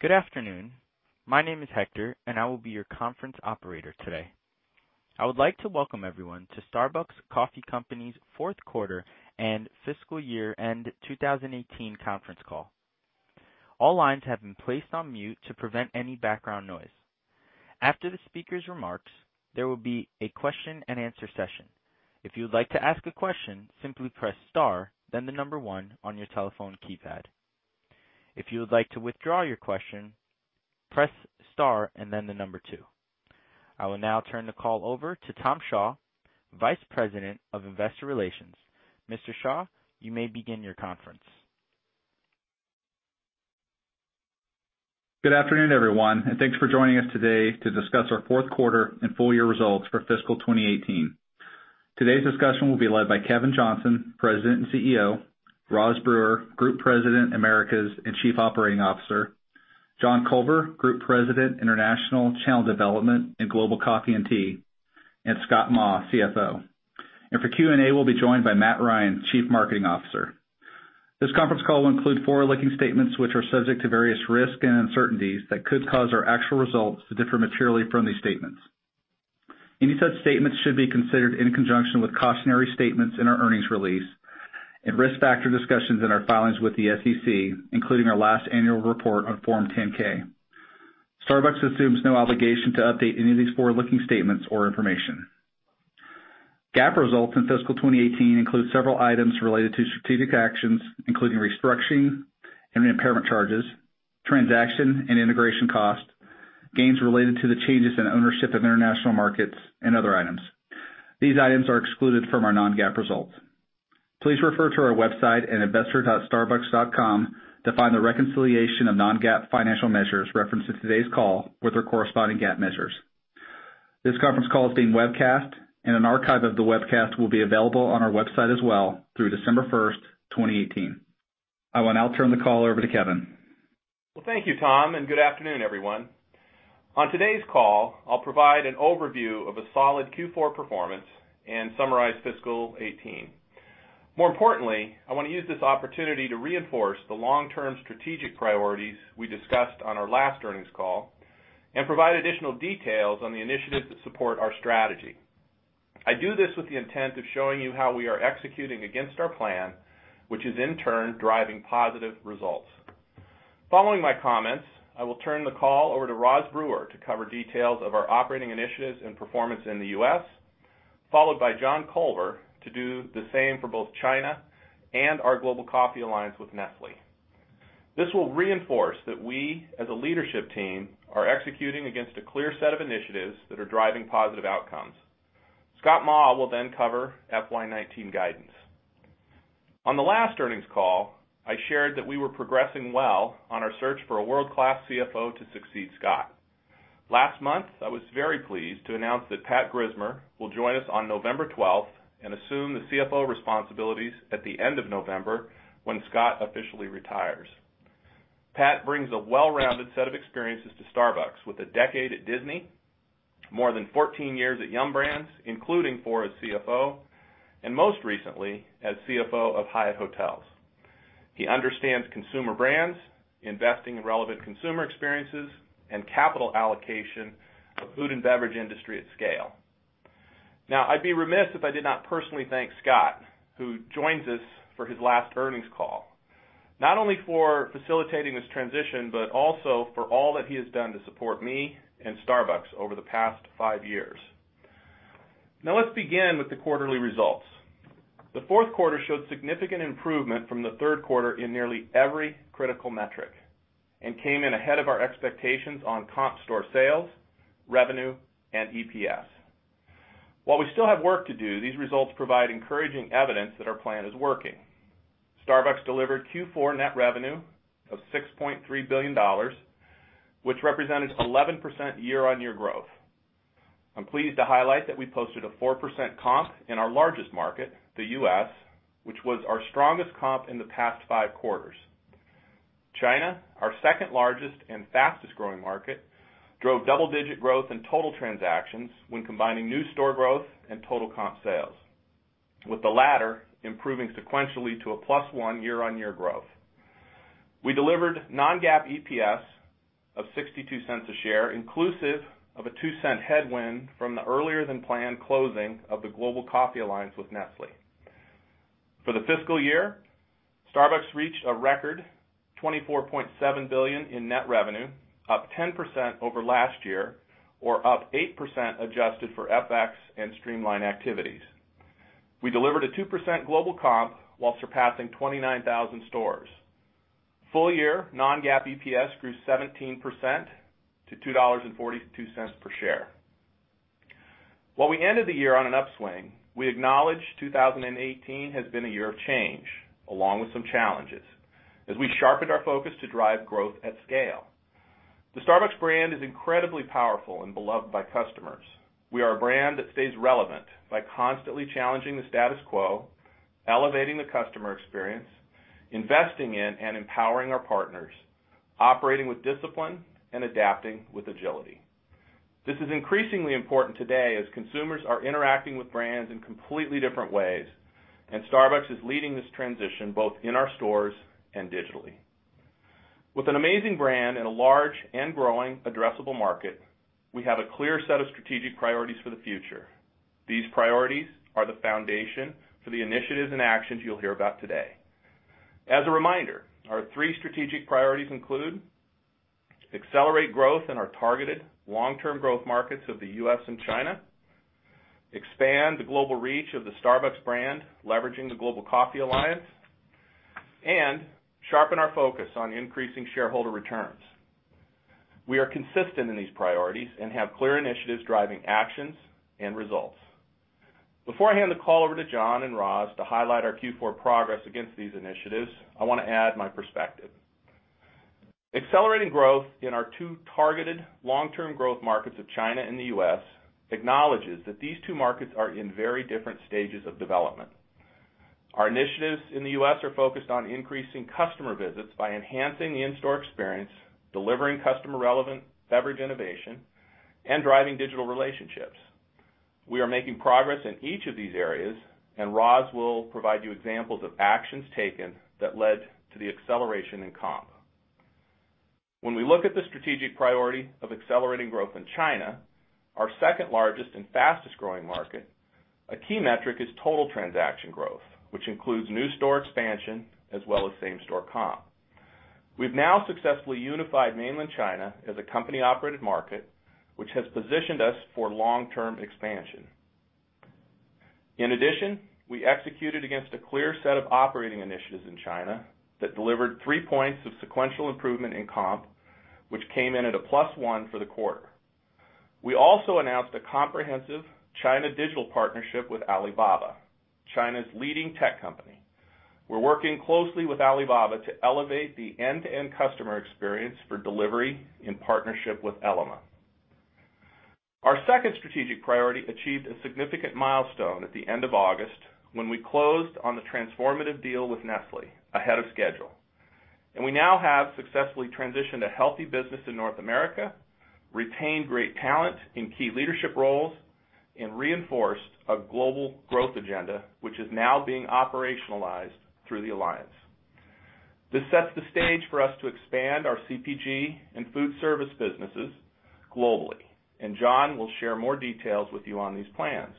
Good afternoon. My name is Hector, and I will be your conference operator today. I would like to welcome everyone to Starbucks Coffee Company's fourth quarter and fiscal year end 2018 conference call. All lines have been placed on mute to prevent any background noise. After the speaker's remarks, there will be a question and answer session. If you would like to ask a question, simply press star, then the number 1 on your telephone keypad. If you would like to withdraw your question, press star and then the number 2. I will now turn the call over to Tom Shaw, Vice President of Investor Relations. Mr. Shaw, you may begin your conference. Good afternoon, everyone, and thanks for joining us today to discuss our fourth quarter and full year results for fiscal 2018. Today's discussion will be led by Kevin Johnson, President and CEO, Rosalind Brewer, Group President, Americas, and Chief Operating Officer, John Culver, Group President, International Channel Development and Global Coffee and Tea, and Scott Maw, CFO. For Q&A, we'll be joined by Matthew Ryan, Chief Marketing Officer. This conference call will include forward-looking statements which are subject to various risks and uncertainties that could cause our actual results to differ materially from these statements. Any such statements should be considered in conjunction with cautionary statements in our earnings release and risk factor discussions in our filings with the SEC, including our last annual report on Form 10-K. Starbucks assumes no obligation to update any of these forward-looking statements or information. GAAP results in fiscal 2018 include several items related to strategic actions, including restructuring and impairment charges, transaction and integration costs, gains related to the changes in ownership of international markets, and other items. These items are excluded from our non-GAAP results. Please refer to our website at investor.starbucks.com to find the reconciliation of non-GAAP financial measures referenced in today's call with their corresponding GAAP measures. This conference call is being webcast, and an archive of the webcast will be available on our website as well through December 1st, 2018. I will now turn the call over to Kevin. Well, thank you, Tom, and good afternoon, everyone. On today's call, I'll provide an overview of a solid Q4 performance and summarize fiscal 2018. More importantly, I want to use this opportunity to reinforce the long-term strategic priorities we discussed on our last earnings call and provide additional details on the initiatives that support our strategy. I do this with the intent of showing you how we are executing against our plan, which is in turn driving positive results. Following my comments, I will turn the call over to Roz Brewer to cover details of our operating initiatives and performance in the U.S., followed by John Culver to do the same for both China and our Global Coffee Alliance with Nestlé. This will reinforce that we, as a leadership team, are executing against a clear set of initiatives that are driving positive outcomes. Scott Maw will then cover FY 2019 guidance. On the last earnings call, I shared that we were progressing well on our search for a world-class CFO to succeed Scott. Last month, I was very pleased to announce that Pat Grismer will join us on November 12th and assume the CFO responsibilities at the end of November when Scott officially retires. Pat brings a well-rounded set of experiences to Starbucks with a decade at Disney, more than 14 years at Yum! Brands, including four as CFO, and most recently as CFO of Hyatt Hotels. He understands consumer brands, investing in relevant consumer experiences, and capital allocation of food and beverage industry at scale. I'd be remiss if I did not personally thank Scott, who joins us for his last earnings call, not only for facilitating this transition, but also for all that he has done to support me and Starbucks over the past five years. Let's begin with the quarterly results. The fourth quarter showed significant improvement from the third quarter in nearly every critical metric and came in ahead of our expectations on comp store sales, revenue, and EPS. While we still have work to do, these results provide encouraging evidence that our plan is working. Starbucks delivered Q4 net revenue of $6.3 billion, which represented 11% year-on-year growth. I'm pleased to highlight that we posted a 4% comp in our largest market, the U.S., which was our strongest comp in the past five quarters. China, our second largest and fastest-growing market, drove double-digit growth in total transactions when combining new store growth and total comp sales, with the latter improving sequentially to a +1 year-on-year growth. We delivered non-GAAP EPS of $0.62 a share, inclusive of a $0.02 headwind from the earlier-than-planned closing of the Global Coffee Alliance with Nestlé. For the fiscal year, Starbucks reached a record $24.7 billion in net revenue, up 10% over last year or up 8% adjusted for FX and streamline activities. We delivered a 2% global comp while surpassing 29,000 stores. Full-year non-GAAP EPS grew 17% to $2.42 per share. We ended the year on an upswing, we acknowledge 2018 has been a year of change, along with some challenges, as we sharpened our focus to drive growth at scale. The Starbucks brand is incredibly powerful and beloved by customers. We are a brand that stays relevant by constantly challenging the status quo, elevating the customer experience, investing in and empowering our partners, operating with discipline, and adapting with agility. This is increasingly important today as consumers are interacting with brands in completely different ways, and Starbucks is leading this transition both in our stores and digitally. With an amazing brand and a large and growing addressable market, we have a clear set of strategic priorities for the future. These priorities are the foundation for the initiatives and actions you'll hear about today. As a reminder, our three strategic priorities include accelerate growth in our targeted long-term growth markets of the U.S. and China, expand the global reach of the Starbucks brand, leveraging the Global Coffee Alliance, and sharpen our focus on increasing shareholder returns. We are consistent in these priorities and have clear initiatives driving actions and results. Before I hand the call over to John and Roz to highlight our Q4 progress against these initiatives, I want to add my perspective. Accelerating growth in our two targeted long-term growth markets of China and the U.S. acknowledges that these two markets are in very different stages of development. Our initiatives in the U.S. are focused on increasing customer visits by enhancing the in-store experience, delivering customer-relevant beverage innovation, and driving digital relationships. We are making progress in each of these areas, and Roz will provide you examples of actions taken that led to the acceleration in comp. When we look at the strategic priority of accelerating growth in China, our second largest and fastest-growing market, a key metric is total transaction growth, which includes new store expansion as well as same-store comp. We've now successfully unified mainland China as a company-operated market, which has positioned us for long-term expansion. In addition, we executed against a clear set of operating initiatives in China that delivered three points of sequential improvement in comp, which came in at a plus one for the quarter. We also announced a comprehensive China digital partnership with Alibaba, China's leading tech company. We're working closely with Alibaba to elevate the end-to-end customer experience for delivery in partnership with Ele.me. Our second strategic priority achieved a significant milestone at the end of August when we closed on the transformative deal with Nestlé ahead of schedule. We now have successfully transitioned a healthy business in North America, retained great talent in key leadership roles, and reinforced a global growth agenda, which is now being operationalized through the alliance. This sets the stage for us to expand our CPG and food service businesses globally. John will share more details with you on these plans.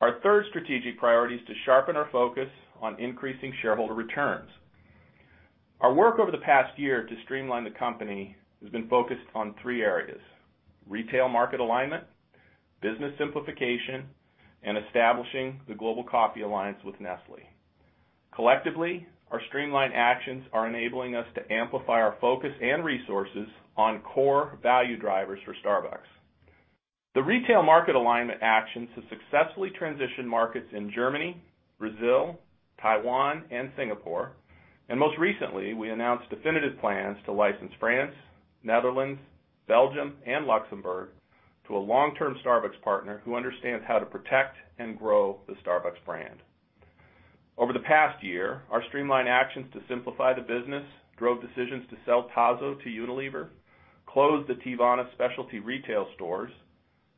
Our third strategic priority is to sharpen our focus on increasing shareholder returns. Our work over the past year to streamline the company has been focused on three areas, retail market alignment, business simplification, and establishing the Global Coffee Alliance with Nestlé. Collectively, our streamlined actions are enabling us to amplify our focus and resources on core value drivers for Starbucks. The retail market alignment actions have successfully transitioned markets in Germany, Brazil, Taiwan, and Singapore, and most recently, we announced definitive plans to license France, Netherlands, Belgium, and Luxembourg to a long-term Starbucks partner who understands how to protect and grow the Starbucks brand. Over the past year, our streamlined actions to simplify the business drove decisions to sell Tazo to Unilever, closed the Teavana specialty retail stores,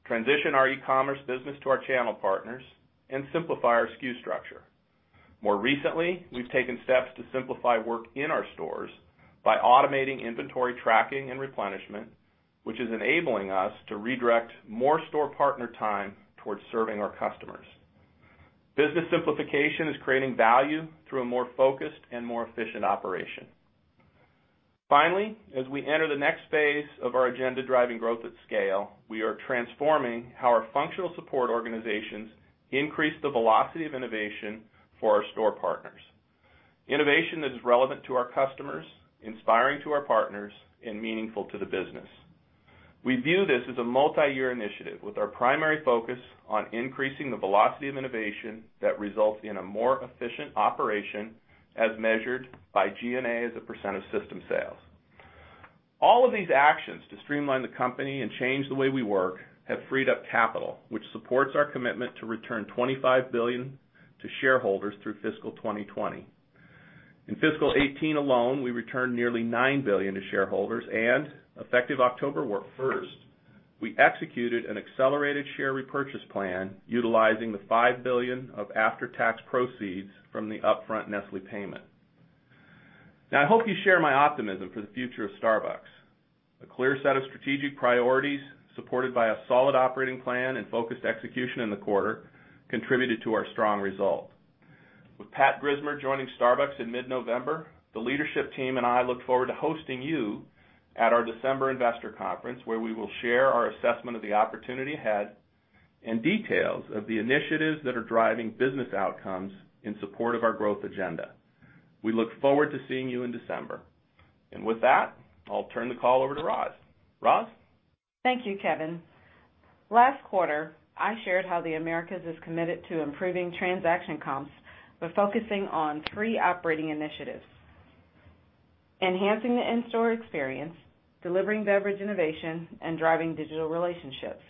transition our e-commerce business to our channel partners, and simplify our SKU structure. More recently, we've taken steps to simplify work in our stores by automating inventory tracking and replenishment, which is enabling us to redirect more store partner time towards serving our customers. Business simplification is creating value through a more focused and more efficient operation. Finally, as we enter the next phase of our agenda driving growth at scale, we are transforming how our functional support organizations increase the velocity of innovation for our store partners. Innovation that is relevant to our customers, inspiring to our partners, and meaningful to the business. We view this as a multi-year initiative with our primary focus on increasing the velocity of innovation that results in a more efficient operation as measured by G&A as a % of system sales. All of these actions to streamline the company and change the way we work have freed up capital, which supports our commitment to return $25 billion to shareholders through fiscal 2020. In fiscal 2018 alone, we returned nearly $9 billion to shareholders and, effective October 1st, we executed an accelerated share repurchase plan utilizing the $5 billion of after-tax proceeds from the upfront Nestlé payment. I hope you share my optimism for the future of Starbucks. A clear set of strategic priorities, supported by a solid operating plan and focused execution in the quarter contributed to our strong result. With Pat Grismer joining Starbucks in mid-November, the leadership team and I look forward to hosting you at our December investor conference, where we will share our assessment of the opportunity ahead and details of the initiatives that are driving business outcomes in support of our growth agenda. We look forward to seeing you in December. With that, I'll turn the call over to Roz. Roz? Thank you, Kevin. Last quarter, I shared how the Americas is committed to improving transaction comps by focusing on three operating initiatives: enhancing the in-store experience, delivering beverage innovation, and driving digital relationships.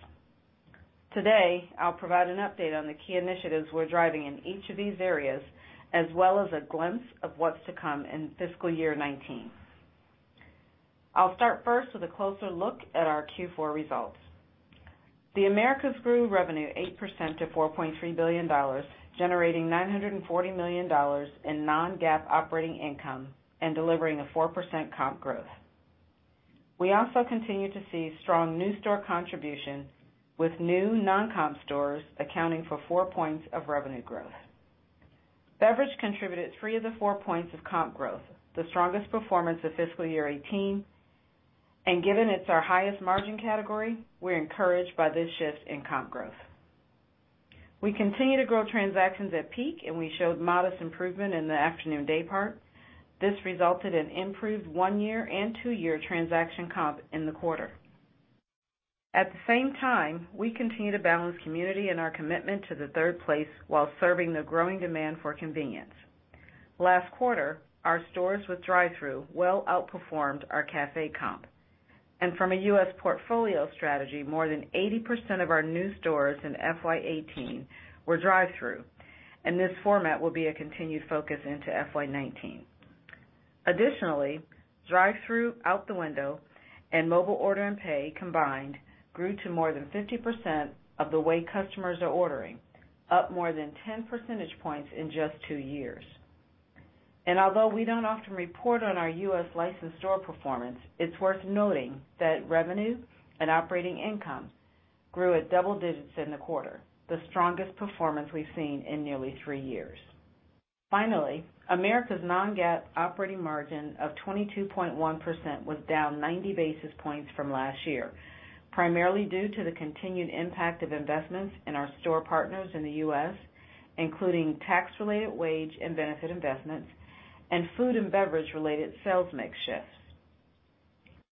Today, I'll provide an update on the key initiatives we're driving in each of these areas, as well as a glimpse of what's to come in fiscal year 2019. I'll start first with a closer look at our Q4 results. The Americas grew revenue 8% to $4.3 billion, generating $940 million in non-GAAP operating income and delivering a 4% comp growth. We also continue to see strong new store contribution with new non-comp stores accounting for four points of revenue growth. Beverage contributed three of the four points of comp growth, the strongest performance of fiscal year 2018, and given it's our highest margin category, we're encouraged by this shift in comp growth. We continue to grow transactions at peak, we showed modest improvement in the afternoon daypart. This resulted in improved one year and two year transaction comp in the quarter. At the same time, we continue to balance community and our commitment to the third place while serving the growing demand for convenience. Last quarter, our stores with drive-thru well outperformed our café comp. From a U.S. portfolio strategy, more than 80% of our new stores in FY 2018 were drive-thru, and this format will be a continued focus into FY 2019. Additionally, drive-thru out the window and Mobile Order & Pay combined grew to more than 50% of the way customers are ordering, up more than 10 percentage points in just two years. Although we don't often report on our U.S. licensed store performance, it's worth noting that revenue and operating income grew at double digits in the quarter, the strongest performance we've seen in nearly three years. Finally, Americas non-GAAP operating margin of 22.1% was down 90 basis points from last year, primarily due to the continued impact of investments in our store partners in the U.S., including tax-related wage and benefit investments, and food and beverage related sales mix shifts.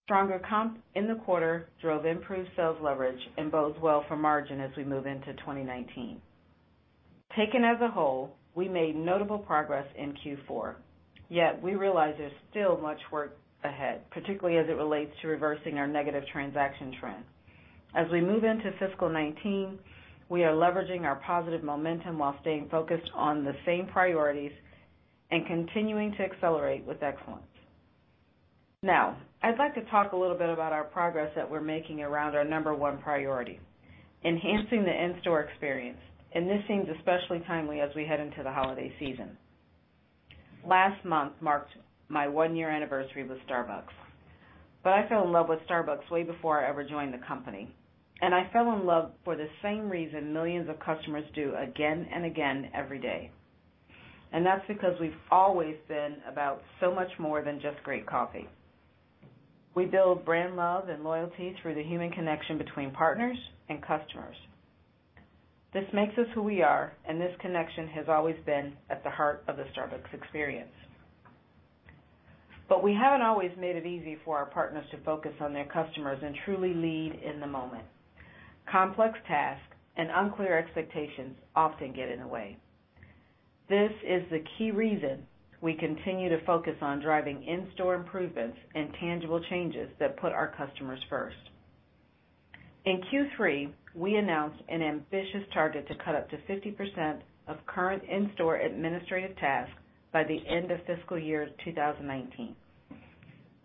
Stronger comp in the quarter drove improved sales leverage and bodes well for margin as we move into 2019. Taken as a whole, we made notable progress in Q4. Yet, we realize there's still much work ahead, particularly as it relates to reversing our negative transaction trend. As we move into fiscal 2019, we are leveraging our positive momentum while staying focused on the same priorities and continuing to accelerate with excellence. Now, I'd like to talk a little bit about our progress that we're making around our number 1 priority, enhancing the in-store experience. This seems especially timely as we head into the holiday season. Last month marked my one-year anniversary with Starbucks. I fell in love with Starbucks way before I ever joined the company, and I fell in love for the same reason millions of customers do again and again every day. That's because we've always been about so much more than just great coffee. We build brand love and loyalty through the human connection between partners and customers. This makes us who we are, and this connection has always been at the heart of the Starbucks Experience. We haven't always made it easy for our partners to focus on their customers and truly lead in the moment. Complex tasks and unclear expectations often get in the way. This is the key reason we continue to focus on driving in-store improvements and tangible changes that put our customers first. In Q3, we announced an ambitious target to cut up to 50% of current in-store administrative tasks by the end of fiscal year 2019.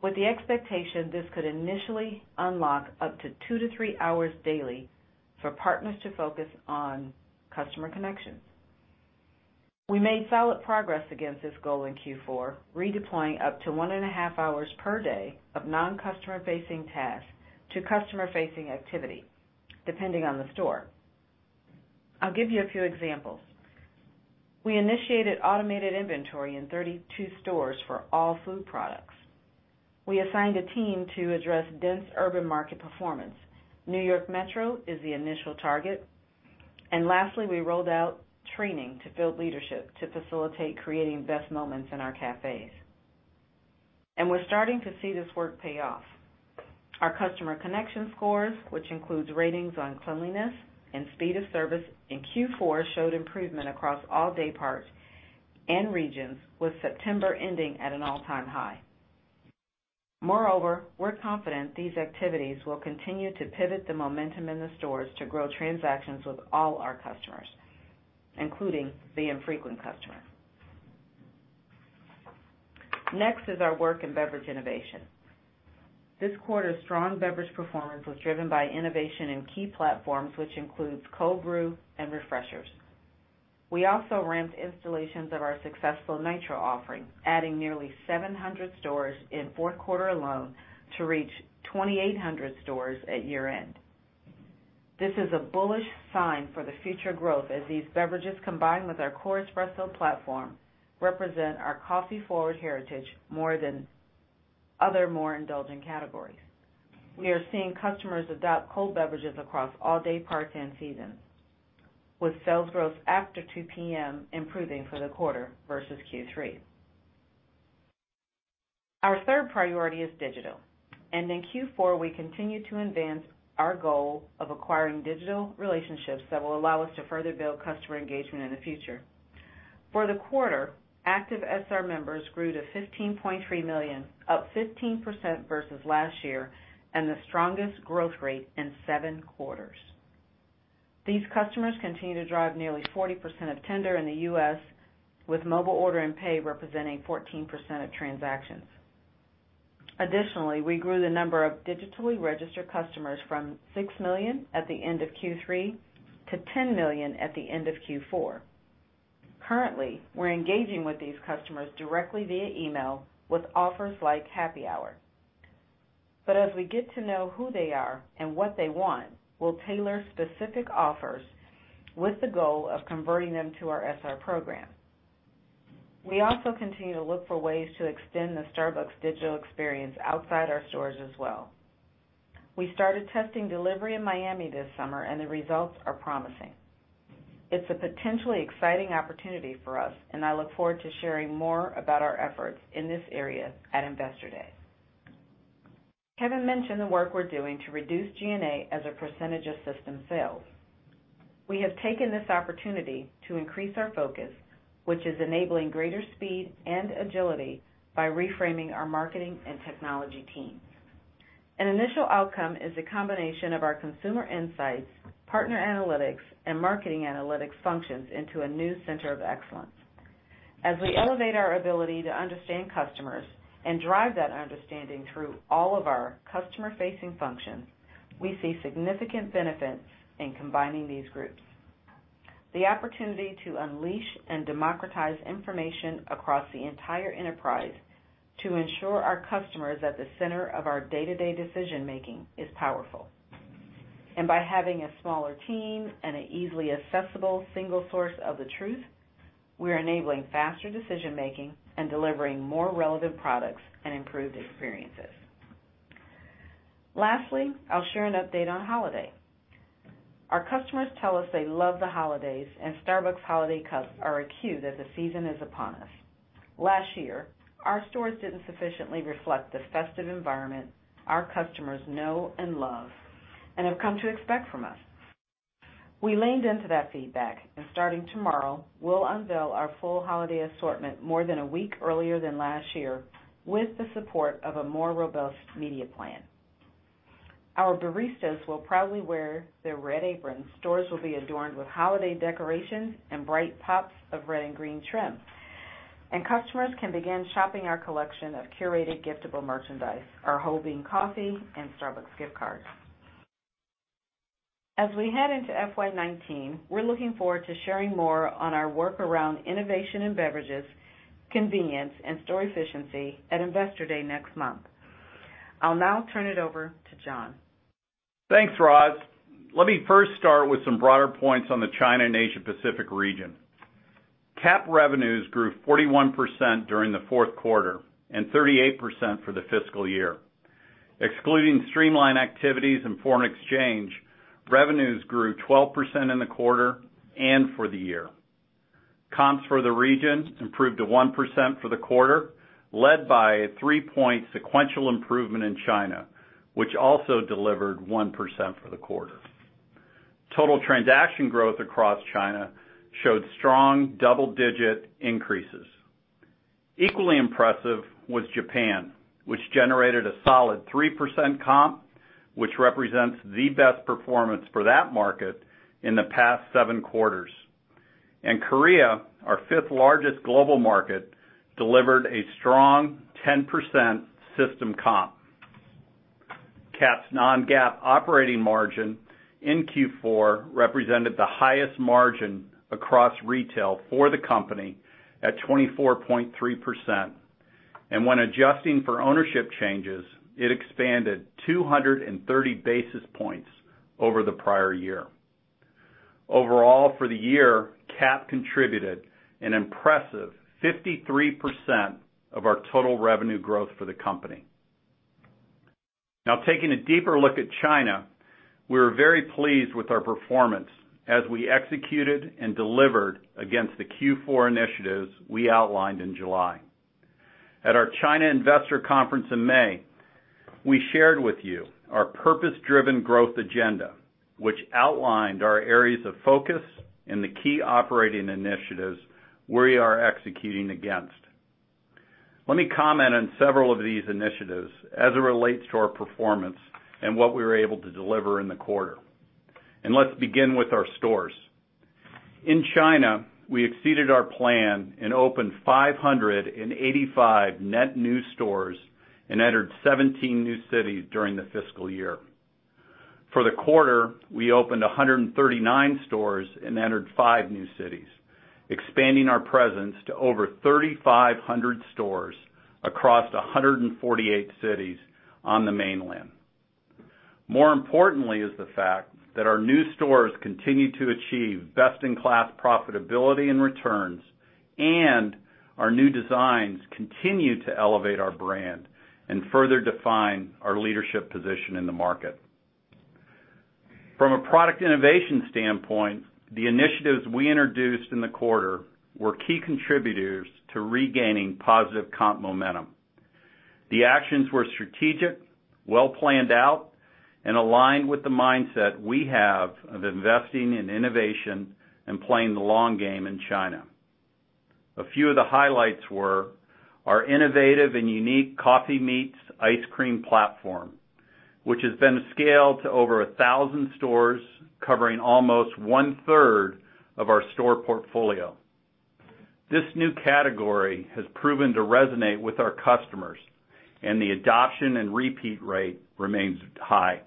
With the expectation, this could initially unlock up to two to three hours daily for partners to focus on customer connections. We made solid progress against this goal in Q4, redeploying up to one and a half hours per day of non-customer facing tasks to customer-facing activity, depending on the store. I'll give you a few examples. We initiated automated inventory in 32 stores for all food products. We assigned a team to address dense urban market performance. New York Metro is the initial target. Lastly, we rolled out training to field leadership to facilitate creating best moments in our cafés. We're starting to see this work pay off. Our customer connection scores, which includes ratings on cleanliness and speed of service in Q4, showed improvement across all daypart and regions, with September ending at an all-time high. Moreover, we're confident these activities will continue to pivot the momentum in the stores to grow transactions with all our customers, including the infrequent customer. Next is our work in beverage innovation. This quarter's strong beverage performance was driven by innovation in key platforms, which includes Cold Brew and Refreshers. We also ramped installations of our successful Nitro offering, adding nearly 700 stores in fourth quarter alone to reach 2,800 stores at year-end. This is a bullish sign for the future growth as these beverages, combined with our core espresso platform, represent our coffee forward heritage more than other more indulgent categories. We are seeing customers adopt cold beverages across all dayparts and seasons, with sales growth after 2:00 P.M. improving for the quarter versus Q3. Our third priority is digital. In Q4 we continued to advance our goal of acquiring digital relationships that will allow us to further build customer engagement in the future. For the quarter, active SR members grew to 15.3 million, up 15% versus last year, and the strongest growth rate in seven quarters. These customers continue to drive nearly 40% of tender in the U.S., with Mobile Order & Pay representing 14% of transactions. We grew the number of digitally registered customers from 6 million at the end of Q3 to 10 million at the end of Q4. Currently, we're engaging with these customers directly via email with offers like Happy Hour. As we get to know who they are and what they want, we'll tailor specific offers with the goal of converting them to our SR program. We also continue to look for ways to extend the Starbucks digital experience outside our stores as well. We started testing delivery in Miami this summer. The results are promising. It's a potentially exciting opportunity for us. I look forward to sharing more about our efforts in this area at Investor Day. Kevin mentioned the work we're doing to reduce G&A as a percentage of system sales. We have taken this opportunity to increase our focus, which is enabling greater speed and agility by reframing our marketing and technology teams. An initial outcome is a combination of our consumer insights, partner analytics, and marketing analytics functions into a new center of excellence. As we elevate our ability to understand customers and drive that understanding through all of our customer-facing functions, we see significant benefits in combining these groups. The opportunity to unleash and democratize information across the entire enterprise to ensure our customer is at the center of our day-to-day decision making is powerful. By having a smaller team and an easily accessible single source of the truth, we're enabling faster decision making and delivering more relevant products and improved experiences. Lastly, I'll share an update on holiday. Our customers tell us they love the holidays. Starbucks holiday cups are a cue that the season is upon us. Last year, our stores didn't sufficiently reflect the festive environment our customers know and love and have come to expect from us. We leaned into that feedback. Starting tomorrow, we'll unveil our full holiday assortment more than a week earlier than last year with the support of a more robust media plan. Our baristas will proudly wear their red aprons. Stores will be adorned with holiday decorations and bright pops of red and green trim. Customers can begin shopping our collection of curated giftable merchandise, our whole bean coffee, and Starbucks gift cards. As we head into FY 2019, we're looking forward to sharing more on our work around innovation and beverages, convenience, and store efficiency at Investor Day next month. I'll now turn it over to John. Thanks, Roz. Let me first start with some broader points on the China and Asia Pacific region. CAP revenues grew 41% during the fourth quarter and 38% for the fiscal year. Excluding streamline activities and foreign exchange, revenues grew 12% in the quarter and for the year. Comps for the region improved to 1% for the quarter, led by a three-point sequential improvement in China, which also delivered 1% for the quarter. Total transaction growth across China showed strong double-digit increases. Equally impressive was Japan, which generated a solid 3% comp, which represents the best performance for that market in the past seven quarters. Korea, our fifth-largest global market, delivered a strong 10% system comp. CAP's non-GAAP operating margin in Q4 represented the highest margin across retail for the company at 24.3%. When adjusting for ownership changes, it expanded 230 basis points over the prior year. Overall, for the year, CAP contributed an impressive 53% of our total revenue growth for the company. Now taking a deeper look at China, we were very pleased with our performance as we executed and delivered against the Q4 initiatives we outlined in July. At our China Investor Conference in May, we shared with you our purpose-driven growth agenda, which outlined our areas of focus and the key operating initiatives we are executing against. Let me comment on several of these initiatives as it relates to our performance and what we were able to deliver in the quarter. Let's begin with our stores. In China, we exceeded our plan and opened 585 net new stores and entered 17 new cities during the fiscal year. For the quarter, we opened 139 stores and entered five new cities, expanding our presence to over 3,500 stores across 148 cities on the mainland. More importantly is the fact that our new stores continue to achieve best-in-class profitability and returns, and our new designs continue to elevate our brand and further define our leadership position in the market. From a product innovation standpoint, the initiatives we introduced in the quarter were key contributors to regaining positive comp momentum. The actions were strategic, well-planned out, and aligned with the mindset we have of investing in innovation and playing the long game in China. A few of the highlights were our innovative and unique coffee meets ice cream platform, which has been scaled to over 1,000 stores, covering almost one-third of our store portfolio. This new category has proven to resonate with our customers, and the adoption and repeat rate remains high.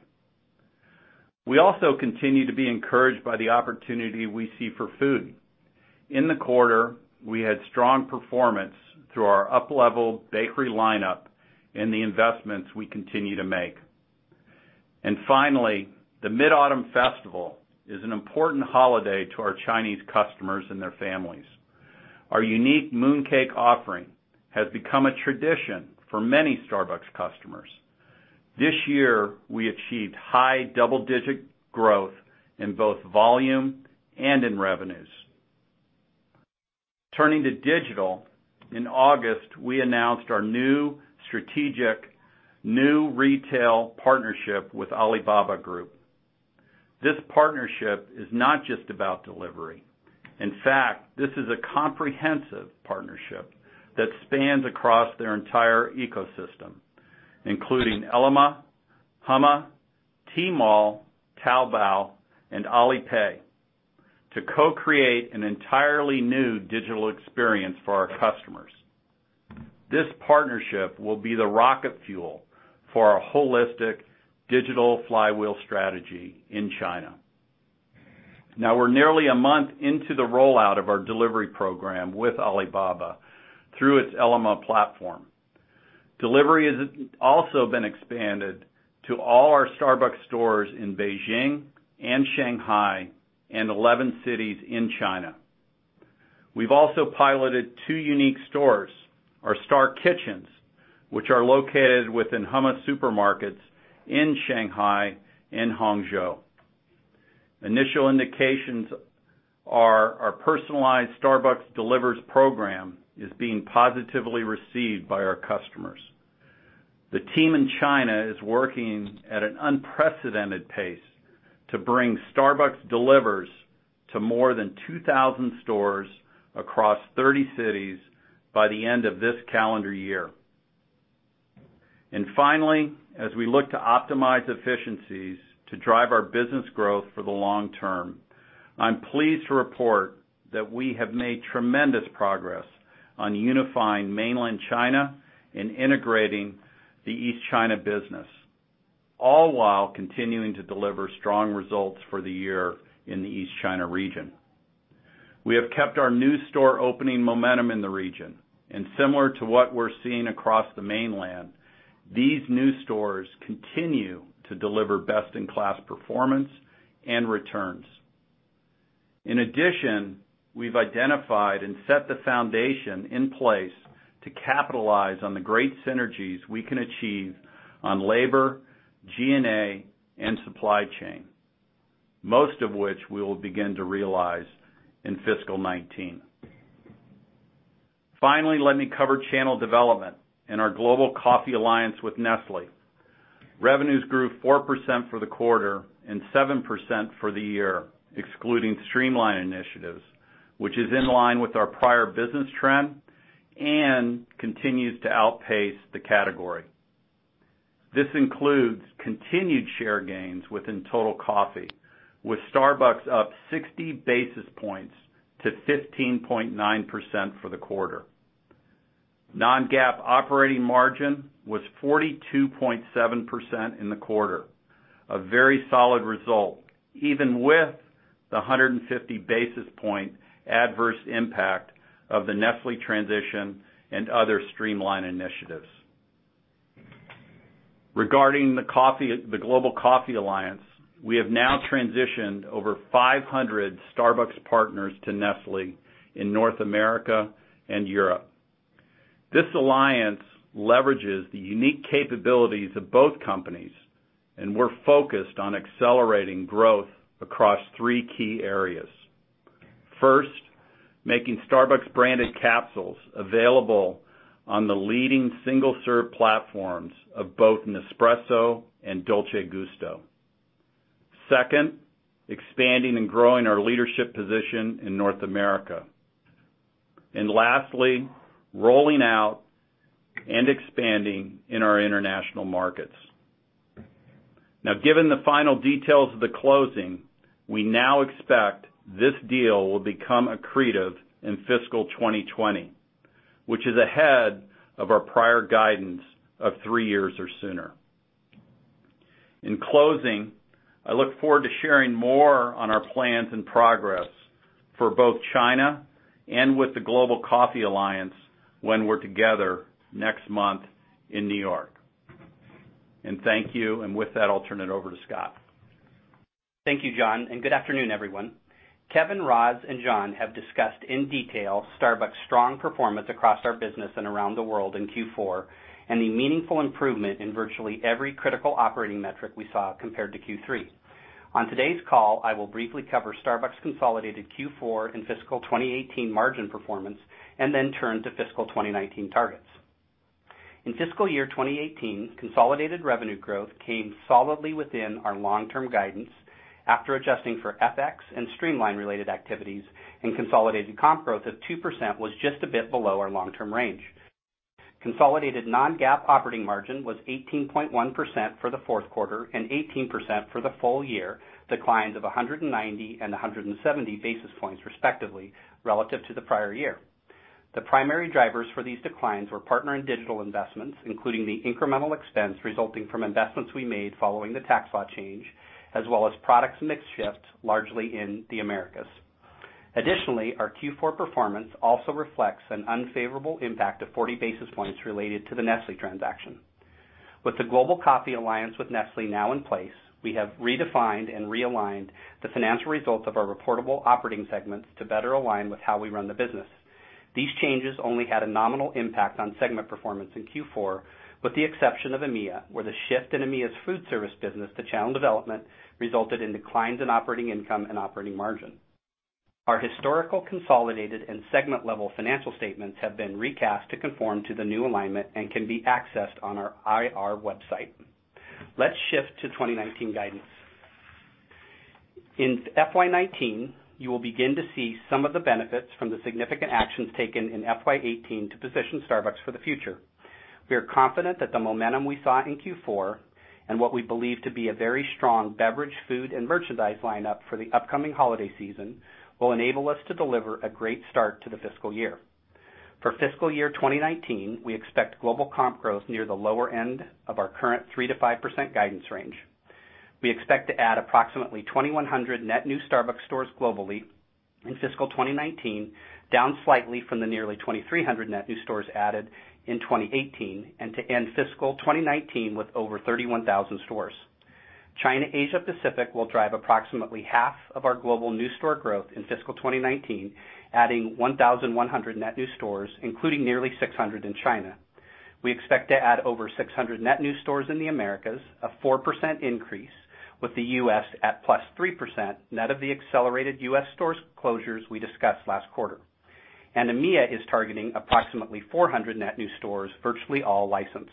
We also continue to be encouraged by the opportunity we see for food. In the quarter, we had strong performance through our uplevel bakery lineup and the investments we continue to make. Finally, the Mid-Autumn Festival is an important holiday to our Chinese customers and their families. Our unique mooncake offering has become a tradition for many Starbucks customers. This year, we achieved high double-digit growth in both volume and in revenues. Turning to digital, in August, we announced our new strategic new retail partnership with Alibaba Group. This partnership is not just about delivery. In fact, this is a comprehensive partnership that spans across their entire ecosystem, including Ele.me, Hema, Tmall, Taobao, and Alipay, to co-create an entirely new digital experience for our customers. This partnership will be the rocket fuel for our holistic digital flywheel strategy in China. Now we're nearly a month into the rollout of our delivery program with Alibaba through its Ele.me platform. Delivery has also been expanded to all our Starbucks stores in Beijing and Shanghai and 11 cities in China. We've also piloted two unique stores, our Star Kitchens, which are located within Hema supermarkets in Shanghai and Hangzhou. Initial indications are our personalized Starbucks Delivers program is being positively received by our customers. The team in China is working at an unprecedented pace to bring Starbucks Delivers to more than 2,000 stores across 30 cities by the end of this calendar year. Finally, as we look to optimize efficiencies to drive our business growth for the long term, I'm pleased to report that we have made tremendous progress on unifying Mainland China and integrating the East China business, all while continuing to deliver strong results for the year in the East China region. We have kept our new store opening momentum in the region, and similar to what we're seeing across the Mainland, these new stores continue to deliver best-in-class performance and returns. In addition, we've identified and set the foundation in place to capitalize on the great synergies we can achieve on labor, G&A, and supply chain, most of which we will begin to realize in fiscal 2019. Finally, let me cover channel development and our Global Coffee Alliance with Nestlé. Revenues grew 4% for the quarter and 7% for the year, excluding streamline initiatives, which is in line with our prior business trend and continues to outpace the category. This includes continued share gains within total coffee, with Starbucks up 60 basis points to 15.9% for the quarter. Non-GAAP operating margin was 42.7% in the quarter, a very solid result, even with the 150 basis point adverse impact of the Nestlé transition and other streamline initiatives. Regarding the Global Coffee Alliance, we have now transitioned over 500 Starbucks partners to Nestlé in North America and Europe. This alliance leverages the unique capabilities of both companies, and we're focused on accelerating growth across three key areas. First, making Starbucks branded capsules available on the leading single-serve platforms of both Nespresso and Dolce Gusto. Second, expanding and growing our leadership position in North America. Lastly, rolling out and expanding in our international markets. Given the final details of the closing, we now expect this deal will become accretive in fiscal 2020, which is ahead of our prior guidance of three years or sooner. In closing, I look forward to sharing more on our plans and progress for both China and with the Global Coffee Alliance when we're together next month in New York. Thank you. With that, I'll turn it over to Scott. Thank you, John, and good afternoon, everyone. Kevin, Roz, and John have discussed in detail Starbucks' strong performance across our business and around the world in Q4 and the meaningful improvement in virtually every critical operating metric we saw compared to Q3. On today's call, I will briefly cover Starbucks' consolidated Q4 and fiscal 2018 margin performance and then turn to fiscal 2019 targets. In fiscal year 2018, consolidated revenue growth came solidly within our long-term guidance after adjusting for FX and streamline related activities, and consolidated comp growth of 2% was just a bit below our long-term range. Consolidated non-GAAP operating margin was 18.1% for the fourth quarter and 18% for the full year, declines of 190 and 170 basis points, respectively, relative to the prior year. The primary drivers for these declines were partner and digital investments, including the incremental expense resulting from investments we made following the tax law change, as well as products mix shift, largely in the Americas. Additionally, our Q4 performance also reflects an unfavorable impact of 40 basis points related to the Nestlé transaction. With the Global Coffee Alliance with Nestlé now in place, we have redefined and realigned the financial results of our reportable operating segments to better align with how we run the business. These changes only had a nominal impact on segment performance in Q4, with the exception of EMEA, where the shift in EMEA's food service business to channel development resulted in declines in operating income and operating margin. Our historical consolidated and segment-level financial statements have been recast to conform to the new alignment and can be accessed on our IR website. Let's shift to 2019 guidance. In FY 2019, you will begin to see some of the benefits from the significant actions taken in FY 2018 to position Starbucks for the future. We are confident that the momentum we saw in Q4 and what we believe to be a very strong beverage, food, and merchandise lineup for the upcoming holiday season will enable us to deliver a great start to the fiscal year. For fiscal year 2019, we expect global comp growth near the lower end of our current 3%-5% guidance range. We expect to add approximately 2,100 net new Starbucks stores globally in fiscal 2019, down slightly from the nearly 2,300 net new stores added in 2018, and to end fiscal 2019 with over 31,000 stores. China Asia Pacific will drive approximately half of our global new store growth in fiscal 2019, adding 1,100 net new stores, including nearly 600 in China. We expect to add over 600 net new stores in the Americas, a 4% increase, with the U.S. at +3%, net of the accelerated U.S. stores closures we discussed last quarter. EMEA is targeting approximately 400 net new stores, virtually all licensed.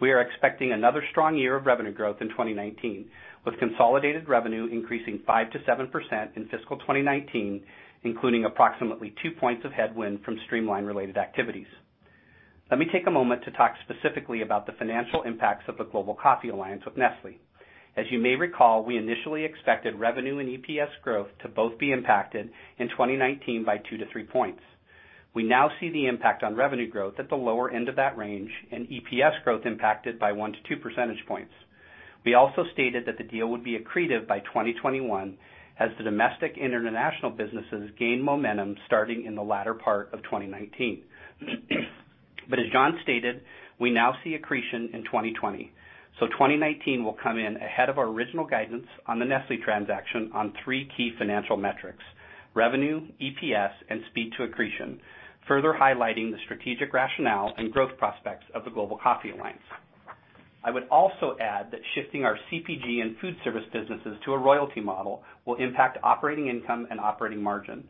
We are expecting another strong year of revenue growth in 2019, with consolidated revenue increasing 5%-7% in fiscal 2019, including approximately 2 points of headwind from streamline related activities. Let me take a moment to talk specifically about the financial impacts of the Global Coffee Alliance with Nestlé. As you may recall, we initially expected revenue and EPS growth to both be impacted in 2019 by 2-3 points. We now see the impact on revenue growth at the lower end of that range and EPS growth impacted by 1-2 percentage points. We also stated that the deal would be accretive by 2021 as the domestic and international businesses gain momentum starting in the latter part of 2019. As John stated, we now see accretion in 2020. 2019 will come in ahead of our original guidance on the Nestlé transaction on three key financial metrics, revenue, EPS, and speed to accretion, further highlighting the strategic rationale and growth prospects of the Global Coffee Alliance. I would also add that shifting our CPG and food service businesses to a royalty model will impact operating income and operating margin.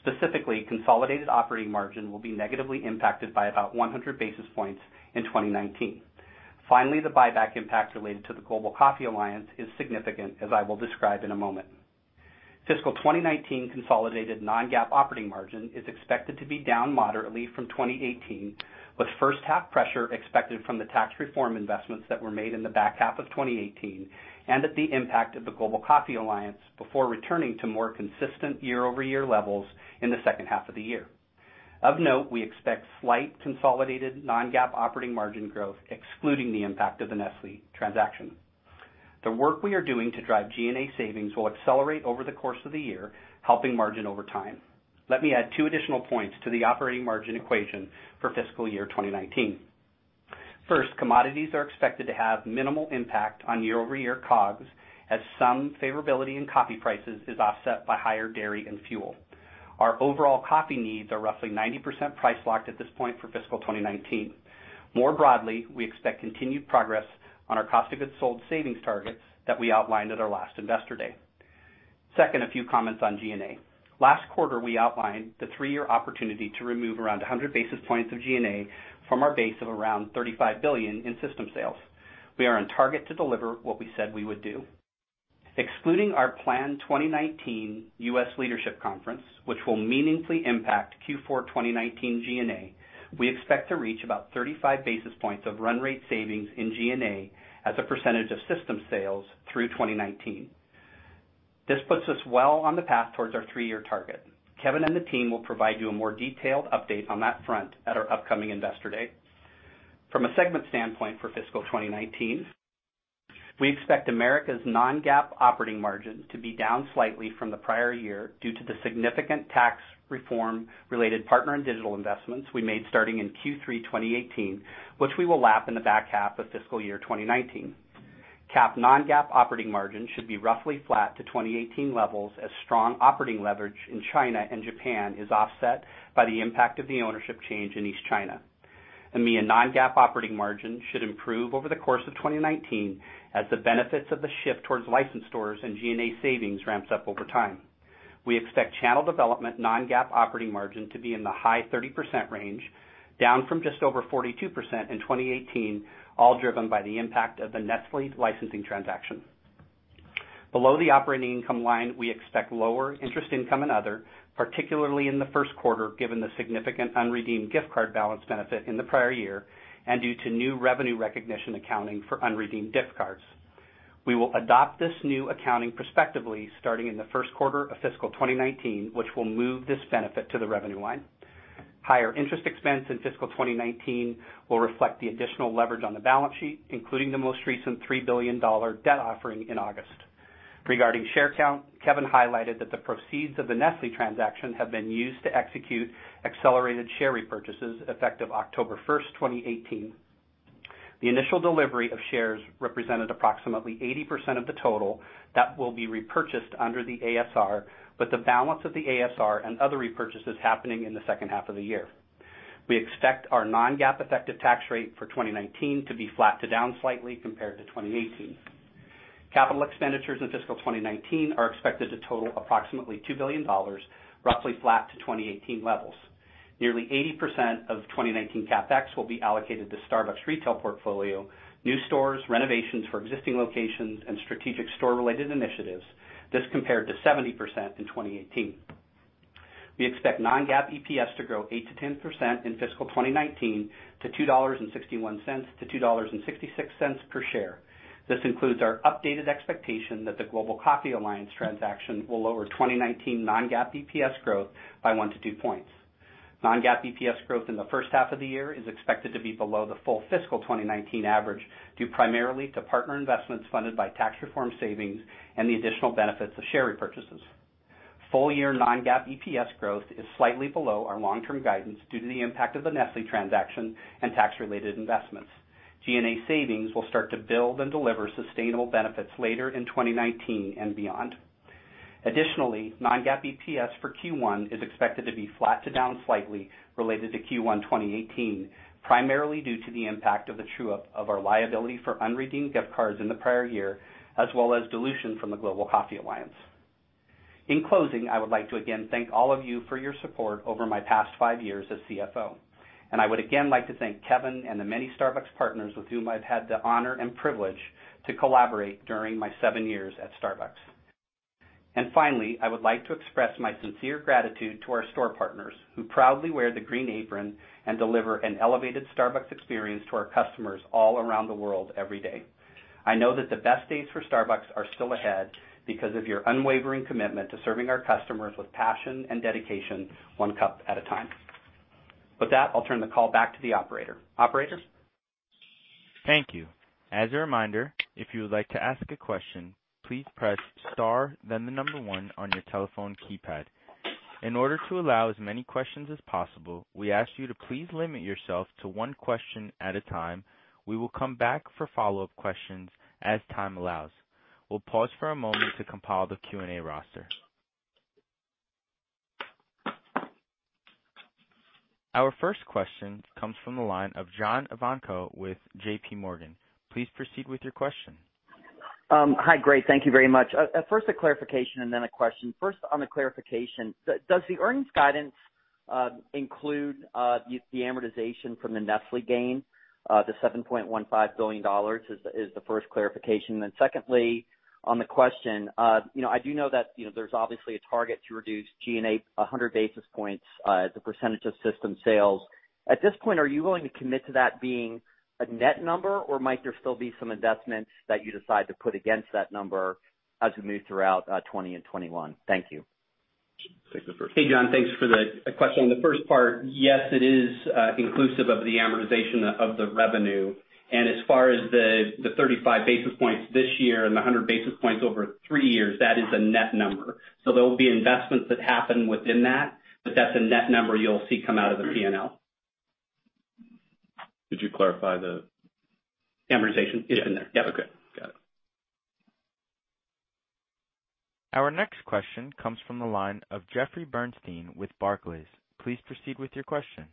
Specifically, consolidated operating margin will be negatively impacted by about 100 basis points in 2019. Finally, the buyback impact related to the Global Coffee Alliance is significant, as I will describe in a moment. Fiscal 2019 consolidated non-GAAP operating margin is expected to be down moderately from 2018, with first half pressure expected from the tax reform investments that were made in the back half of 2018 and the impact of the Global Coffee Alliance before returning to more consistent year-over-year levels in the second half of the year. Of note, we expect slight consolidated non-GAAP operating margin growth excluding the impact of the Nestlé transaction. The work we are doing to drive G&A savings will accelerate over the course of the year, helping margin over time. Let me add 2 additional points to the operating margin equation for fiscal year 2019. First, commodities are expected to have minimal impact on year-over-year COGS, as some favorability in coffee prices is offset by higher dairy and fuel. Our overall coffee needs are roughly 90% price locked at this point for fiscal 2019. More broadly, we expect continued progress on our cost of goods sold savings targets that we outlined at our last Investor Day. Second, a few comments on G&A. Last quarter, we outlined the three-year opportunity to remove around 100 basis points of G&A from our base of around $35 billion in system sales. We are on target to deliver what we said we would do. Excluding our planned 2019 U.S. Leadership Conference, which will meaningfully impact Q4 2019 G&A, we expect to reach about 35 basis points of run rate savings in G&A as a percentage of system sales through 2019. This puts us well on the path towards our three-year target. Kevin and the team will provide you a more detailed update on that front at our upcoming Investor Day. From a segment standpoint for fiscal 2019, we expect Americas non-GAAP operating margin to be down slightly from the prior year due to the significant tax reform related partner and digital investments we made starting in Q3 2018, which we will lap in the back half of fiscal year 2019. CAP non-GAAP operating margin should be roughly flat to 2018 levels as strong operating leverage in China and Japan is offset by the impact of the ownership change in East China. EMEA non-GAAP operating margin should improve over the course of 2019 as the benefits of the shift towards licensed stores and G&A savings ramps up over time. We expect Channel Development non-GAAP operating margin to be in the high 30% range, down from just over 42% in 2018, all driven by the impact of the Nestlé licensing transaction. Below the operating income line, we expect lower interest income and other, particularly in the first quarter, given the significant unredeemed gift card balance benefit in the prior year, and due to new revenue recognition accounting for unredeemed gift cards. We will adopt this new accounting prospectively starting in the first quarter of fiscal 2019, which will move this benefit to the revenue line. Higher interest expense in fiscal 2019 will reflect the additional leverage on the balance sheet, including the most recent $3 billion debt offering in August. Regarding share count, Kevin highlighted that the proceeds of the Nestlé transaction have been used to execute accelerated share repurchases effective October 1st, 2018. The initial delivery of shares represented approximately 80% of the total that will be repurchased under the ASR, with the balance of the ASR and other repurchases happening in the second half of the year. We expect our non-GAAP effective tax rate for 2019 to be flat to down slightly compared to 2018. Capital expenditures in fiscal 2019 are expected to total approximately $2 billion, roughly flat to 2018 levels. Nearly 80% of 2019 CapEx will be allocated to Starbucks retail portfolio, new stores, renovations for existing locations, and strategic store-related initiatives. This compared to 70% in 2018. We expect non-GAAP EPS to grow 8%-10% in fiscal 2019 to $2.61-$2.66 per share. This includes our updated expectation that the Global Coffee Alliance transaction will lower 2019 non-GAAP EPS growth by one to two points. Non-GAAP EPS growth in the first half of the year is expected to be below the full fiscal 2019 average, due primarily to partner investments funded by tax reform savings and the additional benefits of share repurchases. Full-year non-GAAP EPS growth is slightly below our long-term guidance due to the impact of the Nestlé transaction and tax-related investments. G&A savings will start to build and deliver sustainable benefits later in 2019 and beyond. Additionally, non-GAAP EPS for Q1 is expected to be flat to down slightly related to Q1 2018, primarily due to the impact of the true-up of our liability for unredeemed gift cards in the prior year, as well as dilution from the Global Coffee Alliance. In closing, I would like to again thank all of you for your support over my past five years as CFO. I would again like to thank Kevin and the many Starbucks partners with whom I've had the honor and privilege to collaborate during my seven years at Starbucks. Finally, I would like to express my sincere gratitude to our store partners who proudly wear the green apron and deliver an elevated Starbucks experience to our customers all around the world every day. I know that the best days for Starbucks are still ahead because of your unwavering commitment to serving our customers with passion and dedication, one cup at a time. With that, I'll turn the call back to the operator. Operator? Thank you. As a reminder, if you would like to ask a question, please press star, then the number 1 on your telephone keypad. In order to allow as many questions as possible, we ask you to please limit yourself to one question at a time. We will come back for follow-up questions as time allows. We'll pause for a moment to compile the Q&A roster. Our first question comes from the line of John Ivankoe with JPMorgan. Please proceed with your question. Hi. Great. Thank you very much. First, a clarification, then a question. First, on the clarification. Does the earnings guidance include the amortization from the Nestlé gain? The $7.15 billion is the first clarification. Secondly, on the question, I do know that there's obviously a target to reduce G&A 100 basis points, the percentage of system sales. At this point, are you willing to commit to that being a net number, or might there still be some investments that you decide to put against that number as we move throughout 2020 and 2021? Thank you. I'll take the first one. Hey, John. Thanks for the question. On the first part, yes, it is inclusive of the amortization of the revenue. As far as the 35 basis points this year and the 100 basis points over three years, that is a net number. There will be investments that happen within that, but that's a net number you'll see come out of the P&L. Could you clarify the- Amortization? It's in there. Yeah. Okay. Got it. Our next question comes from the line of Jeffrey Bernstein with Barclays. Please proceed with your question.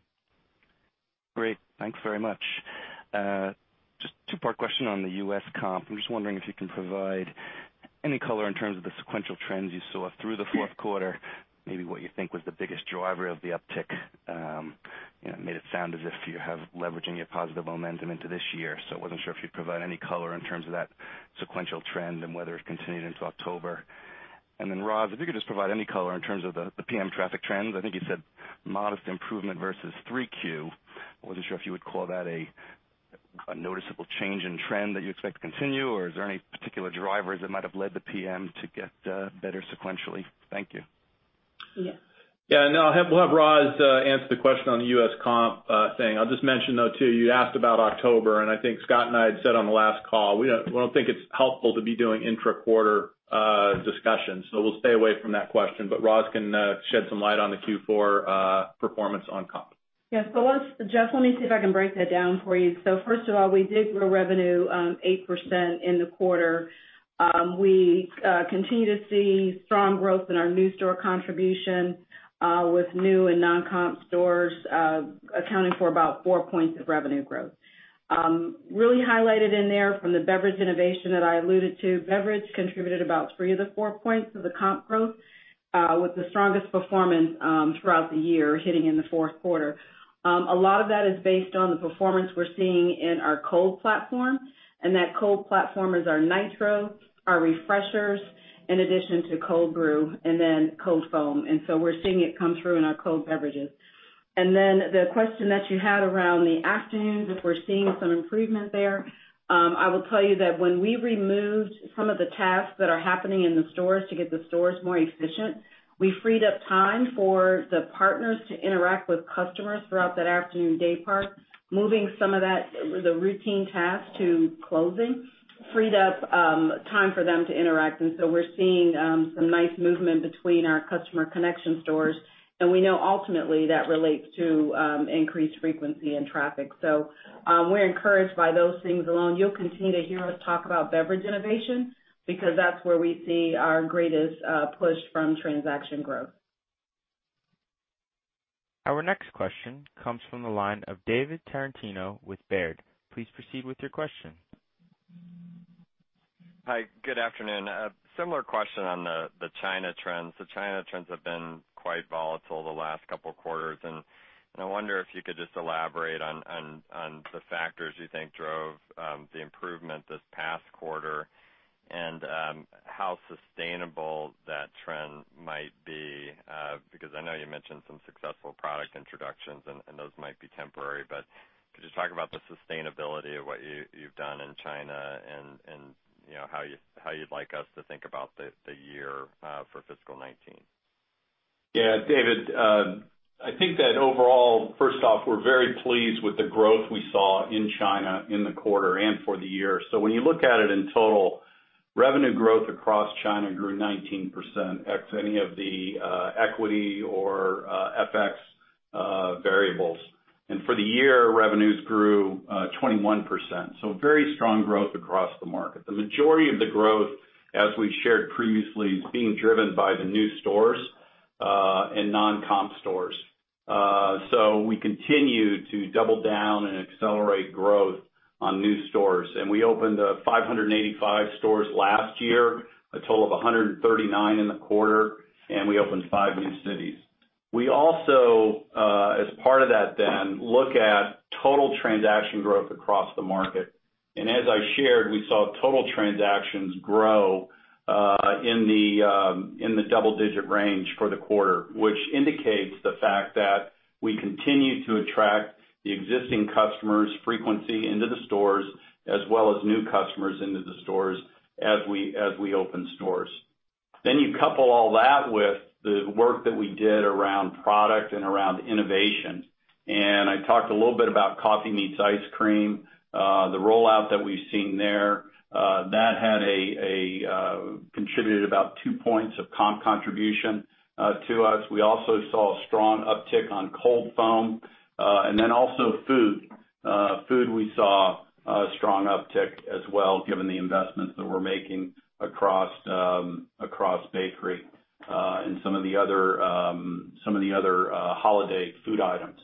Great. Thanks very much. Just two-part question on the U.S. comp. I'm just wondering if you can provide any color in terms of the sequential trends you saw through the fourth quarter, maybe what you think was the biggest driver of the uptick. Made it sound as if you have leverage and you have positive momentum into this year, so I wasn't sure if you'd provide any color in terms of that sequential trend and whether it continued into October. Roz, if you could just provide any color in terms of the P.M. traffic trends. I think you said modest improvement versus 3Q. I wasn't sure if you would call that a noticeable change in trend that you expect to continue, or is there any particular drivers that might have led the P.M. to get better sequentially? Thank you. Yeah. Yeah, no. We'll have Roz answer the question on the U.S. comp thing. I'll just mention, though, too, you asked about October, I think Scott and I had said on the last call, we don't think it's helpful to be doing intra-quarter discussion, we'll stay away from that question. Roz can shed some light on the Q4 performance on comp. Yeah. Jeff, let me see if I can break that down for you. First of all, we did grow revenue 8% in the quarter. We continue to see strong growth in our new store contribution With new and non-comp stores accounting for about 4 points of revenue growth. Really highlighted in there from the beverage innovation that I alluded to, beverage contributed about 3 of the 4 points of the comp growth, with the strongest performance throughout the year hitting in the fourth quarter. A lot of that is based on the performance we're seeing in our cold platform, and that cold platform is our Nitro, our Refreshers, in addition to Cold Brew and then Cold Foam. We're seeing it come through in our cold beverages. The question that you had around the afternoons, if we're seeing some improvement there, I will tell you that when we removed some of the tasks that are happening in the stores to get the stores more efficient, we freed up time for the partners to interact with customers throughout that afternoon day part. Moving some of the routine tasks to closing freed up time for them to interact. We're seeing some nice movement between our customer connection stores, and we know ultimately that relates to increased frequency and traffic. We're encouraged by those things. You'll continue to hear us talk about beverage innovation because that's where we see our greatest push from transaction growth. Our next question comes from the line of David Tarantino with Baird. Please proceed with your question. Hi, good afternoon. A similar question on the China trends. The China trends have been quite volatile the last couple of quarters, and I wonder if you could just elaborate on the factors you think drove the improvement this past quarter and how sustainable that trend might be. Because I know you mentioned some successful product introductions, and those might be temporary. Could you talk about the sustainability of what you've done in China and how you'd like us to think about the year for fiscal 2019? Yeah, David, I think that overall, first off, we're very pleased with the growth we saw in China in the quarter and for the year. When you look at it in total, revenue growth across China grew 19% ex any of the equity or FX variables. For the year, revenues grew 21%. Very strong growth across the market. The majority of the growth, as we shared previously, is being driven by the new stores and non-comp stores. We continue to double down and accelerate growth on new stores. We opened 585 stores last year, a total of 139 in the quarter, and we opened five new cities. We also, as part of that then, look at total transaction growth across the market. As I shared, we saw total transactions grow in the double digit range for the quarter, which indicates the fact that we continue to attract the existing customers' frequency into the stores, as well as new customers into the stores as we open stores. You couple all that with the work that we did around product and around innovation, and I talked a little bit about coffee meets ice cream, the rollout that we've seen there, that contributed about two points of comp contribution to us. We also saw a strong uptick on Cold Foam. Also food. Food we saw a strong uptick as well, given the investments that we're making across bakery, and some of the other holiday food items.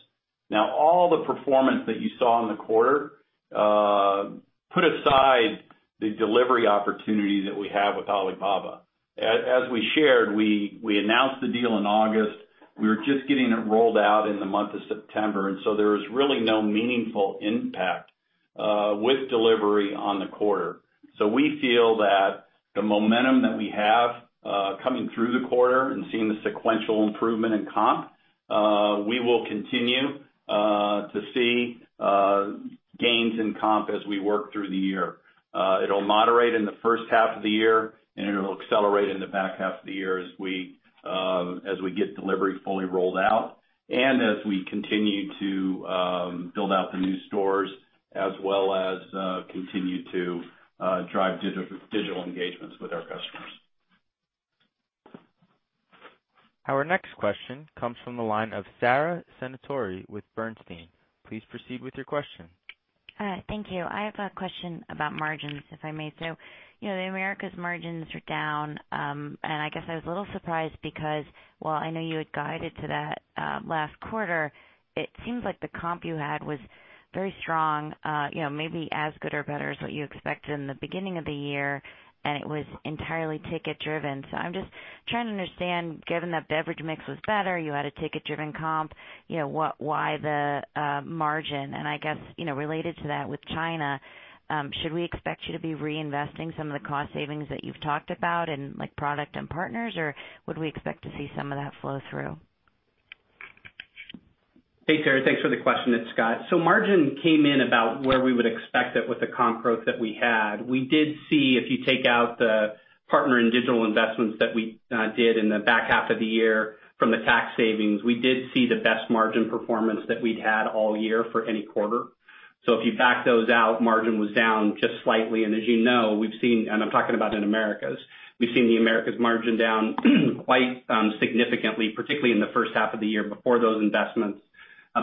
All the performance that you saw in the quarter, put aside the delivery opportunity that we have with Alibaba. As we shared, we announced the deal in August. We were just getting it rolled out in the month of September, there was really no meaningful impact with delivery on the quarter. We feel that the momentum that we have coming through the quarter and seeing the sequential improvement in comp, we will continue to see gains in comp as we work through the year. It'll moderate in the first half of the year, and it'll accelerate in the back half of the year as we get delivery fully rolled out and as we continue to build out the new stores as well as continue to drive digital engagements with our customers. Our next question comes from the line of Sara Senatore with Bernstein. Please proceed with your question. Thank you. I have a question about margins, if I may. The Americas margins are down, and I guess I was a little surprised because while I know you had guided to that last quarter, it seems like the comp you had was very strong, maybe as good or better as what you expected in the beginning of the year, and it was entirely ticket driven. I'm just trying to understand, given that beverage mix was better, you had a ticket driven comp, why the margin? I guess, related to that with China, should we expect you to be reinvesting some of the cost savings that you've talked about in, like, product and partners, or would we expect to see some of that flow through? Hey, Sara, thanks for the question. It's Scott. Margin came in about where we would expect it with the comp growth that we had. We did see, if you take out the partner and digital investments that we did in the back half of the year from the tax savings, we did see the best margin performance that we'd had all year for any quarter. If you back those out, margin was down just slightly. As you know, we've seen, and I'm talking about in Americas, we've seen the Americas margin down quite significantly, particularly in the first half of the year before those investments.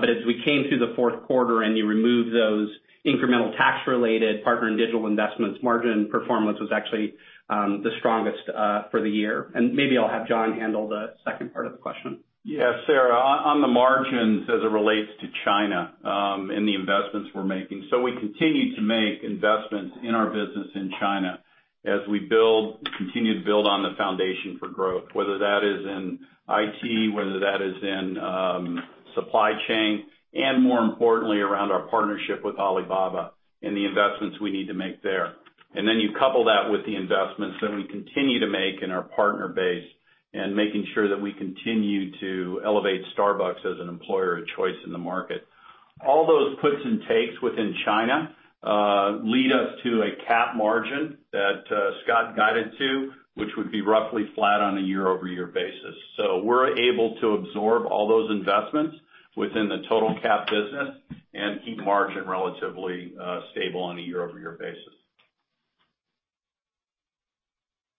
As we came through the fourth quarter and you remove those incremental tax-related partner and digital investments, margin performance was actually the strongest for the year. Maybe I'll have John handle the second part of the question. Yes, Sara, on the margins as it relates to China and the investments we're making. We continue to make investments in our business in China as we continue to build on the foundation for growth, whether that is in IT, whether that is in supply chain, and more importantly, around our partnership with Alibaba and the investments we need to make there. You couple that with the investments that we continue to make in our partner base and making sure that we continue to elevate Starbucks as an employer of choice in the market. All those puts and takes within China lead us to a core margin that Scott guided to, which would be roughly flat on a year-over-year basis. We're able to absorb all those investments within the total core business and keep margin relatively stable on a year-over-year basis.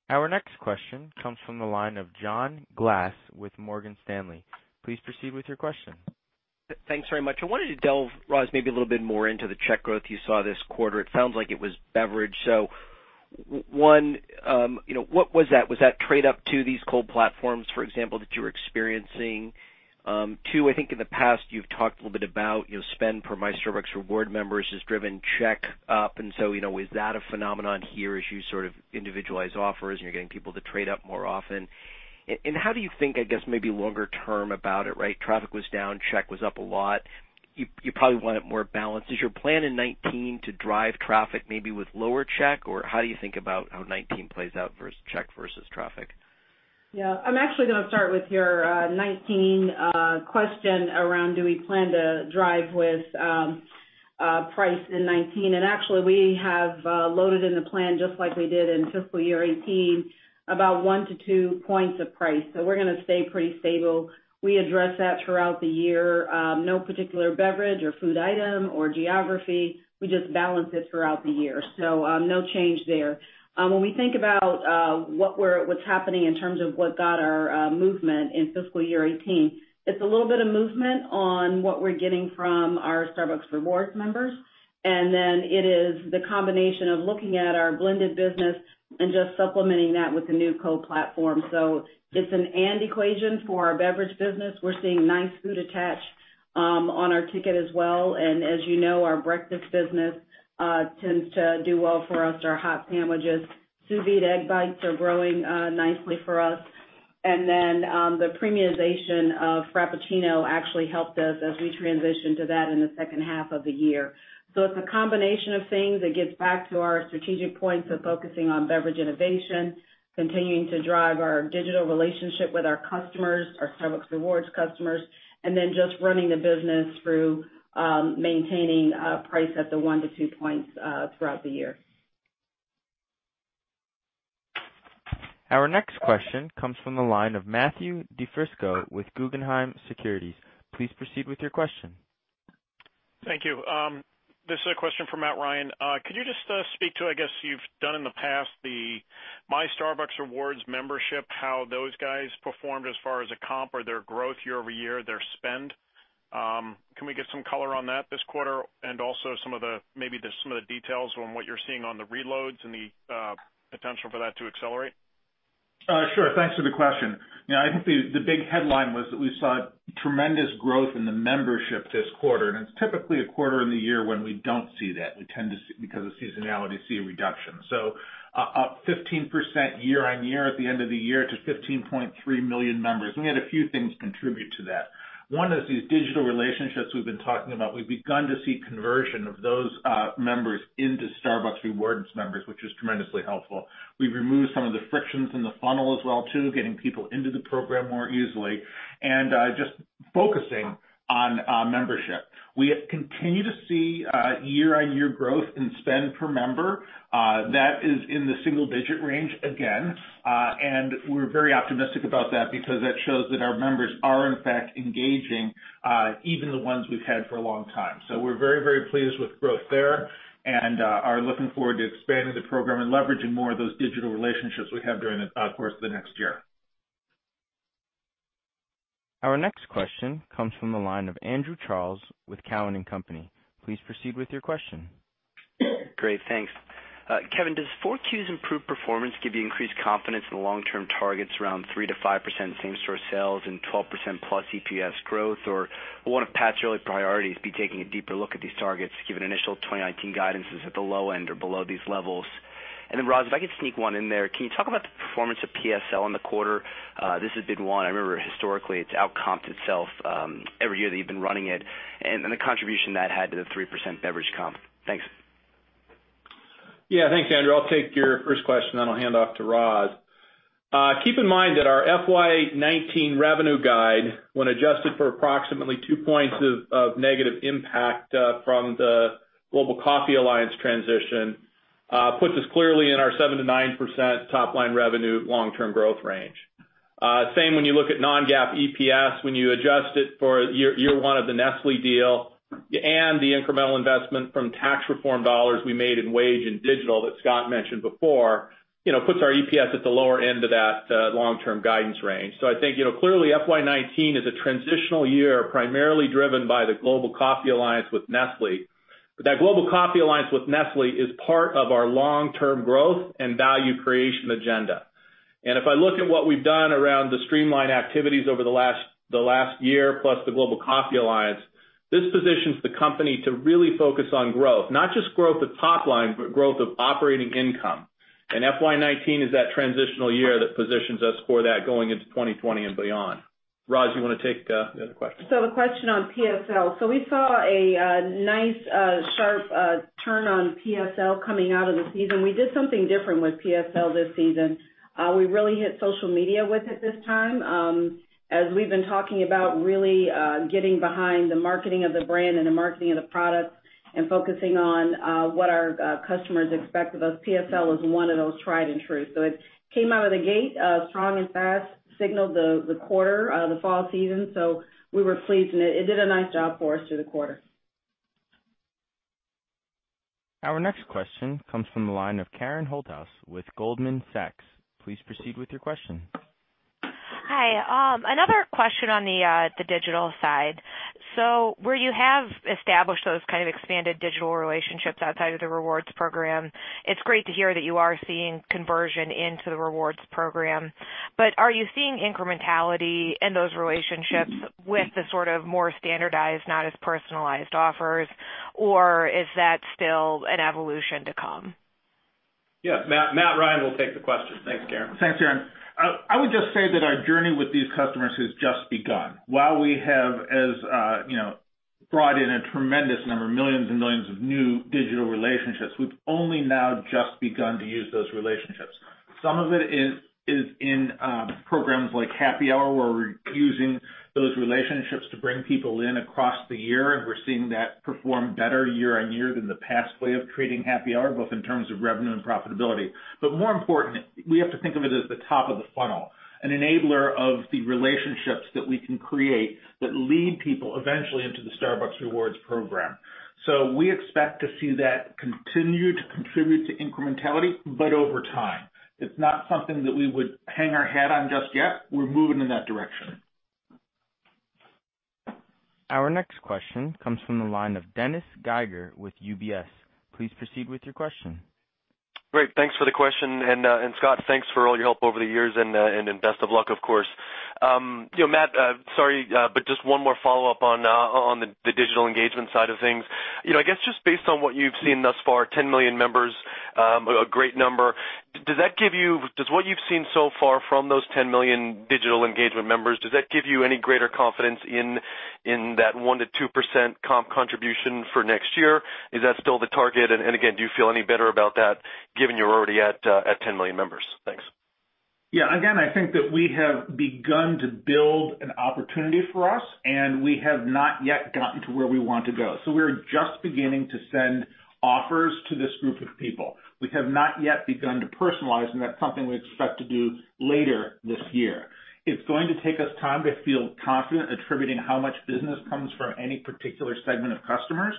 Our next question comes from the line of John Glass with Morgan Stanley. Please proceed with your question. Thanks very much. I wanted to delve, Roz, maybe a little bit more into the check growth you saw this quarter. It sounds like it was beverage. One, what was that? Was that trade up to these cold platforms, for example, that you were experiencing? Two, I think in the past, you've talked a little bit about spend per My Starbucks Rewards members has driven check up, is that a phenomenon here as you sort of individualize offers and you're getting people to trade up more often? How do you think, I guess, maybe longer term about it, right? Traffic was down, check was up a lot. You probably want it more balanced. Is your plan in 2019 to drive traffic maybe with lower check, or how do you think about how 2019 plays out versus check versus traffic? Yeah. I'm actually going to start with your 2019 question around do we plan to drive with price in 2019. Actually, we have loaded in the plan just like we did in fiscal year 2018, about one to two points of price. We're going to stay pretty stable. We address that throughout the year. No particular beverage or food item or geography, we just balance it throughout the year. No change there. When we think about what's happening in terms of what got our movement in fiscal year 2018, it's a little bit of movement on what we're getting from our Starbucks Rewards members, then it is the combination of looking at our blended business and just supplementing that with the new co-platform. It's an and equation for our beverage business. We're seeing nice food attach on our ticket as well, as you know, our breakfast business tends to do well for us, our hot sandwiches. Sous Vide Egg Bites are growing nicely for us. Then the premiumization of Frappuccino actually helped us as we transitioned to that in the second half of the year. It's a combination of things that gets back to our strategic points of focusing on beverage innovation, continuing to drive our digital relationship with our customers, our Starbucks Rewards customers, then just running the business through maintaining price at the one to two points throughout the year. Our next question comes from the line of Matthew DiFrisco with Guggenheim Securities. Please proceed with your question. Thank you. This is a question for Matthew Ryan. Could you just speak to, I guess you've done in the past, the Starbucks Rewards membership, how those guys performed as far as a comp or their growth year-over-year, their spend? Can we get some color on that this quarter and also maybe some of the details on what you're seeing on the reloads and the potential for that to accelerate? Sure. Thanks for the question. I think the big headline was that we saw tremendous growth in the membership this quarter, it's typically a quarter in the year when we don't see that. We tend to, because of seasonality, see a reduction. Up 15% year-on-year at the end of the year to 15.3 million members. We had a few things contribute to that. One is these digital relationships we've been talking about. We've begun to see conversion of those members into Starbucks Rewards members, which is tremendously helpful. We've removed some of the frictions in the funnel as well too, getting people into the program more easily, and just focusing on membership. We continue to see year-on-year growth in spend per member. That is in the single-digit range again. We're very pleased with growth there and are looking forward to expanding the program and leveraging more of those digital relationships we have during the course of the next year. Our next question comes from the line of Andrew Charles with Cowen and Company. Please proceed with your question. Thanks, Kevin, does 4Q's improved performance give you increased confidence in the long-term targets around 3%-5% same-store sales and 12%+ EPS growth? Or will one of Pat's early priorities be taking a deeper look at these targets given initial 2019 guidance is at the low end or below these levels? Roz, if I could sneak one in there, can you talk about the performance of PSL in the quarter? This has been one, I remember historically, it's out-comped itself every year that you've been running it, and the contribution that had to the 3% beverage comp. Thanks. Thanks, Andrew. I'll take your first question, I'll hand off to Roz. Keep in mind that our FY 2019 revenue guide, when adjusted for approximately two points of negative impact from the Global Coffee Alliance transition, puts us clearly in our 7%-9% top-line revenue long-term growth range. Same when you look at non-GAAP EPS. When you adjust it for year one of the Nestlé deal The incremental investment from tax reform dollars we made in wage and digital that Scott mentioned before, puts our EPS at the lower end of that long-term guidance range. I think, clearly FY 2019 is a transitional year, primarily driven by the Global Coffee Alliance with Nestlé. That Global Coffee Alliance with Nestlé is part of our long-term growth and value creation agenda. If I look at what we've done around the streamline activities over the last year, plus the Global Coffee Alliance, this positions the company to really focus on growth, not just growth of top line, but growth of operating income. FY 2019 is that transitional year that positions us for that going into 2020 and beyond. Roz, you want to take the other question? The question on PSL. We saw a nice sharp turn on PSL coming out of the season. We did something different with PSL this season. We really hit social media with it this time. As we've been talking about really getting behind the marketing of the brand and the marketing of the products and focusing on what our customers expect of us, PSL is one of those tried and true. It came out of the gate strong and fast, signaled the quarter, the fall season. We were pleased, and it did a nice job for us through the quarter. Our next question comes from the line of Karen Holthouse with Goldman Sachs. Please proceed with your question. Hi. Another question on the digital side. where you have established those kind of expanded digital relationships outside of the Rewards program, it's great to hear that you are seeing conversion into the Rewards program. are you seeing incrementality in those relationships with the sort of more standardized, not as personalized offers, or is that still an evolution to come? Matthew Ryan will take the question. Thanks, Karen. Thanks, Karen. I would just say that our journey with these customers has just begun. While we have, as you know, brought in a tremendous number, millions and millions of new digital relationships, we've only now just begun to use those relationships. Some of it is in programs like Happy Hour, where we're using those relationships to bring people in across the year, and we're seeing that perform better year-on-year than the past way of creating Happy Hour, both in terms of revenue and profitability. more important, we have to think of it as the top of the funnel, an enabler of the relationships that we can create that lead people eventually into the Starbucks Rewards program. we expect to see that continue to contribute to incrementality, but over time. It's not something that we would hang our hat on just yet. We're moving in that direction. Our next question comes from the line of Dennis Geiger with UBS. Please proceed with your question. Great. Thanks for the question. Scott, thanks for all your help over the years, and best of luck, of course. Matt, sorry, just one more follow-up on the digital engagement side of things. I guess just based on what you've seen thus far, 10 million members, a great number. Does what you've seen so far from those 10 million digital engagement members, does that give you any greater confidence in that 1%-2% comp contribution for next year? Is that still the target? Again, do you feel any better about that given you're already at 10 million members? Thanks. Yeah. Again, I think that we have begun to build an opportunity for us. We have not yet gotten to where we want to go. We're just beginning to send offers to this group of people. We have not yet begun to personalize, that's something we expect to do later this year. It's going to take us time to feel confident attributing how much business comes from any particular segment of customers.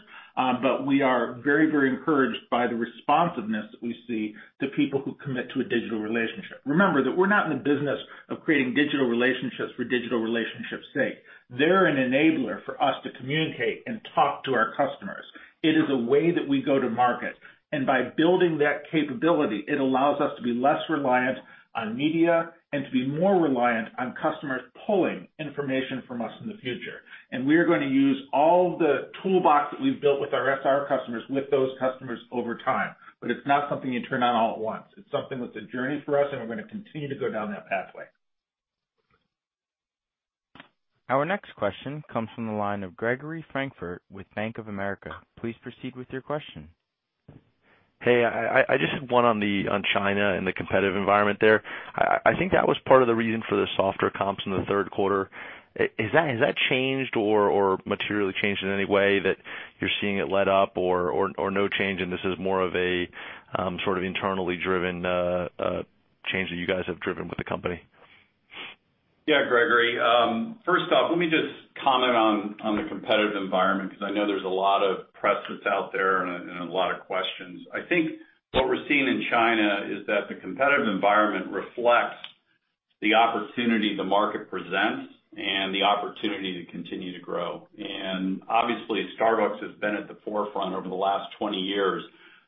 We are very encouraged by the responsiveness that we see to people who commit to a digital relationship. Remember that we're not in the business of creating digital relationships for digital relationships' sake. They're an enabler for us to communicate and talk to our customers. It is a way that we go to market, by building that capability, it allows us to be less reliant on media and to be more reliant on customers pulling information from us in the future. We are going to use all the toolbox that we've built with our SR customers, with those customers over time. It's not something you turn on all at once. It's something that's a journey for us, and we're going to continue to go down that pathway. Our next question comes from the line of Gregory Francfort with Bank of America. Please proceed with your question. Hey, I just had one on China and the competitive environment there. I think that was part of the reason for the softer comps in the third quarter. Has that changed or materially changed in any way that you're seeing it let up or no change and this is more of a sort of internally driven change that you guys have driven with the company? Yeah, Gregory. First off, let me just comment on the competitive environment because I know there's a lot of press that's out there and a lot of questions. I think what we're seeing in China is that the competitive environment reflects the opportunity the market presents and the opportunity to continue to grow. Obviously, Starbucks has been at the forefront over the last 20 years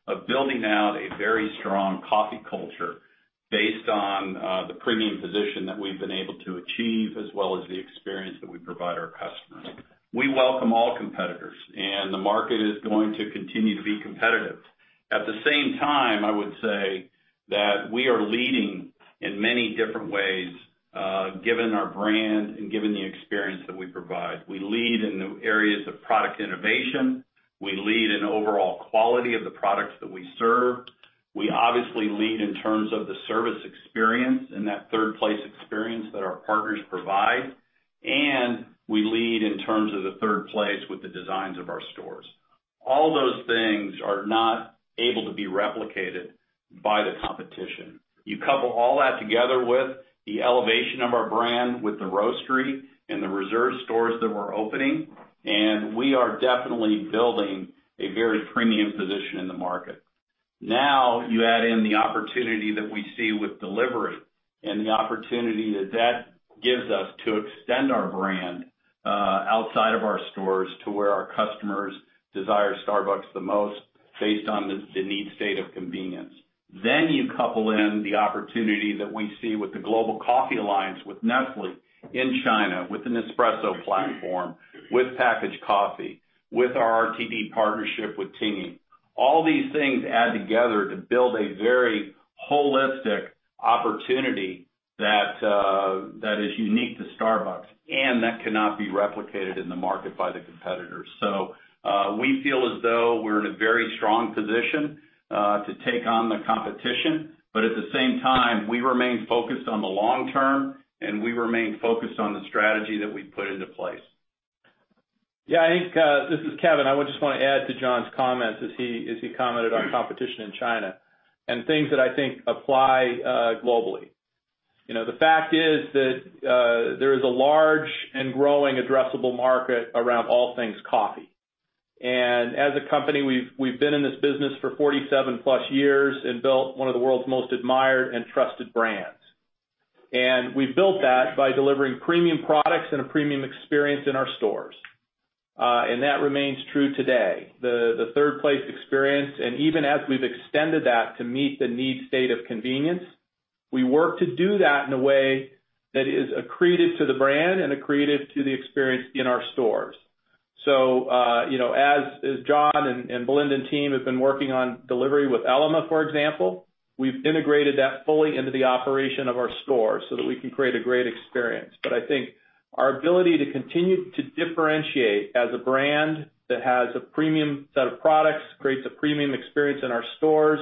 of building out a very strong coffee culture based on the premium position that we've been able to achieve, as well as the experience that we provide our customers. We welcome all competitors, the market is going to continue to be competitive. At the same time, I would say that we are leading in many different ways, given our brand and given the experience that we provide. We lead in the areas of product innovation. We lead in overall quality of the products that we serve. We obviously lead in terms of the service experience and that third place experience that our partners provide, and we lead in terms of the third place with the designs of our stores. All those things are not able to be replicated by the competition. You couple all that together with the elevation of our brand, with the Starbucks Reserve Roastery, and the Starbucks Reserve Roasteries that we're opening, and we are definitely building a very premium position in the market. Now you add in the opportunity that we see with delivery and the opportunity that that gives us to extend our brand, outside of our stores to where our customers desire Starbucks the most based on this need state of convenience. You couple in the opportunity that we see with the Global Coffee Alliance with Nestlé in China, with the Nespresso platform, with packaged coffee, with our RTD partnership with Tingyi. All these things add together to build a very holistic opportunity that is unique to Starbucks and that cannot be replicated in the market by the competitors. We feel as though we're in a very strong position, to take on the competition, at the same time, we remain focused on the long term, and we remain focused on the strategy that we've put into place. I think, this is Kevin. I would just want to add to John's comments as he commented on competition in China and things that I think apply, globally. The fact is that there is a large and growing addressable market around all things coffee. As a company, we've been in this business for 47 plus years and built one of the world's most admired and trusted brands. We've built that by delivering premium products and a premium experience in our stores. That remains true today. The third place experience, and even as we've extended that to meet the need state of convenience, we work to do that in a way that is accretive to the brand and accretive to the experience in our stores. As John and Belinda and team have been working on delivery with Ele.me, for example, we've integrated that fully into the operation of our stores so that we can create a great experience. I think our ability to continue to differentiate as a brand that has a premium set of products, creates a premium experience in our stores,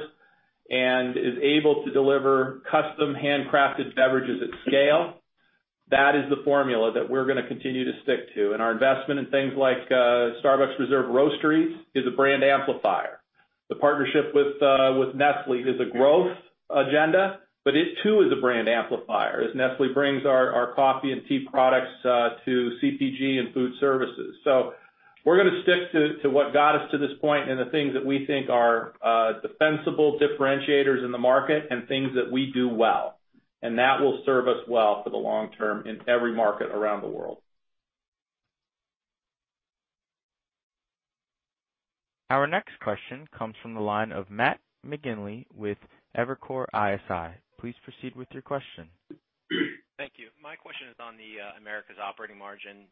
and is able to deliver custom handcrafted beverages at scale, that is the formula that we're going to continue to stick to. Our investment in things like Starbucks Reserve Roasteries is a brand amplifier. The partnership with Nestlé is a growth agenda, it too is a brand amplifier as Nestlé brings our coffee and tea products to CPG and food services. We're going to stick to what got us to this point and the things that we think are defensible differentiators in the market and things that we do well, and that will serve us well for the long term in every market around the world. Our next question comes from the line of Matthew McGinley with Evercore ISI. Please proceed with your question. Thank you. My question is on the Americas operating margin.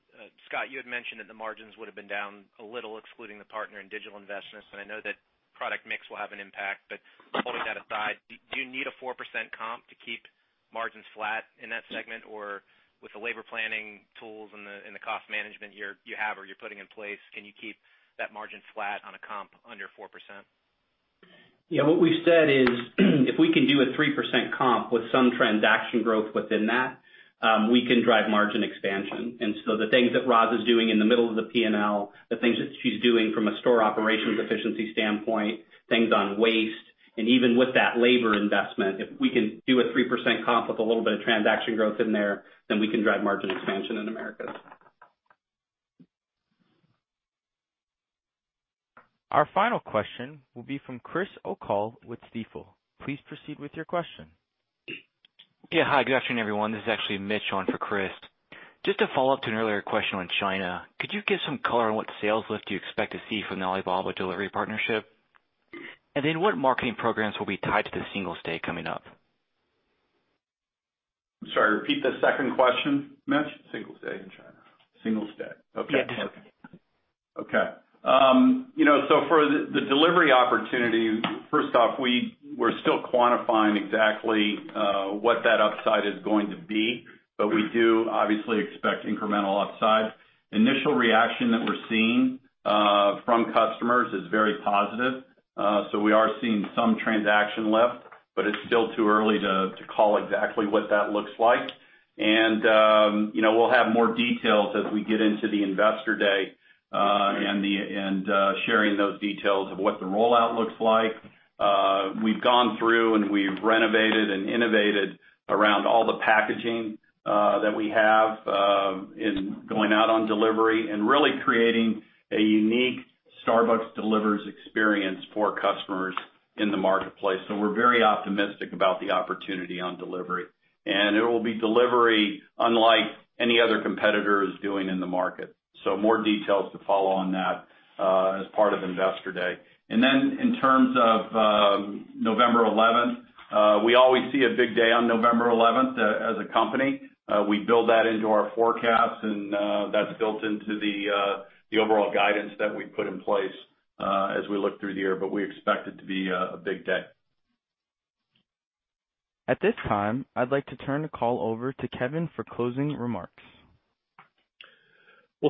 Scott, you had mentioned that the margins would've been down a little excluding the partner in digital investments. I know that product mix will have an impact, but holding that aside, do you need a 4% comp to keep margins flat in that segment? With the labor planning tools and the cost management you have or you're putting in place, can you keep that margin flat on a comp under 4%? Yeah. What we've said is if we can do a 3% comp with some transaction growth within that, we can drive margin expansion. The things that Roz is doing in the middle of the P&L, the things that she's doing from a store operations efficiency standpoint, things on waste, and even with that labor investment, if we can do a 3% comp with a little bit of transaction growth in there, then we can drive margin expansion in Americas. Our final question will be from Christopher O'Cull with Stifel. Please proceed with your question. Yeah. Hi, good afternoon, everyone. This is actually Mitch on for Chris. Just to follow up to an earlier question on China, could you give some color on what sales lift you expect to see from the Alibaba delivery partnership? What marketing programs will be tied to the Singles' Day coming up? I'm sorry. Repeat the second question, Mitch. Singles' Day in China. Singles' Day. Okay. Yes. For the delivery opportunity, first off, we're still quantifying exactly what that upside is going to be, but we do obviously expect incremental upside. Initial reaction that we're seeing from customers is very positive. We are seeing some transaction lift, but it's still too early to call exactly what that looks like. We'll have more details as we get into the Investor Day, and sharing those details of what the rollout looks like. We've gone through and we've renovated and innovated around all the packaging, that we have, in going out on delivery and really creating a unique Starbucks Delivers experience for customers in the marketplace. We're very optimistic about the opportunity on delivery. It will be delivery unlike any other competitor is doing in the market. More details to follow on that, as part of Investor Day. In terms of November 11th, we always see a big day on November 11th as a company. We build that into our forecast, and that's built into the overall guidance that we put in place, as we look through the year. We expect it to be a big day. At this time, I'd like to turn the call over to Kevin for closing remarks.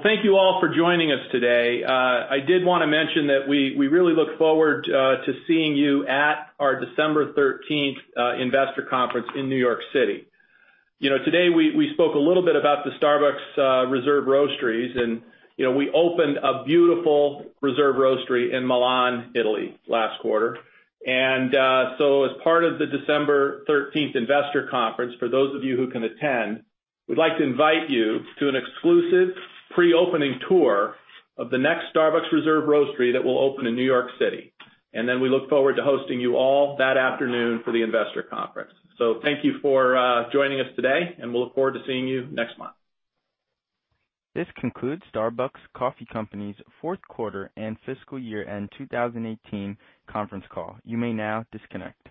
Thank you all for joining us today. I did want to mention that we really look forward to seeing you at our December 13th investor conference in New York City. Today we spoke a little bit about the Starbucks Reserve Roasteries, we opened a beautiful Starbucks Reserve Roastery in Milan, Italy last quarter. As part of the December 13th investor conference, for those of you who can attend, we'd like to invite you to an exclusive pre-opening tour of the next Starbucks Reserve Roastery that will open in New York City. We look forward to hosting you all that afternoon for the investor conference. Thank you for joining us today, and we'll look forward to seeing you next month. This concludes Starbucks Coffee Company's fourth quarter and fiscal year-end 2018 conference call. You may now disconnect.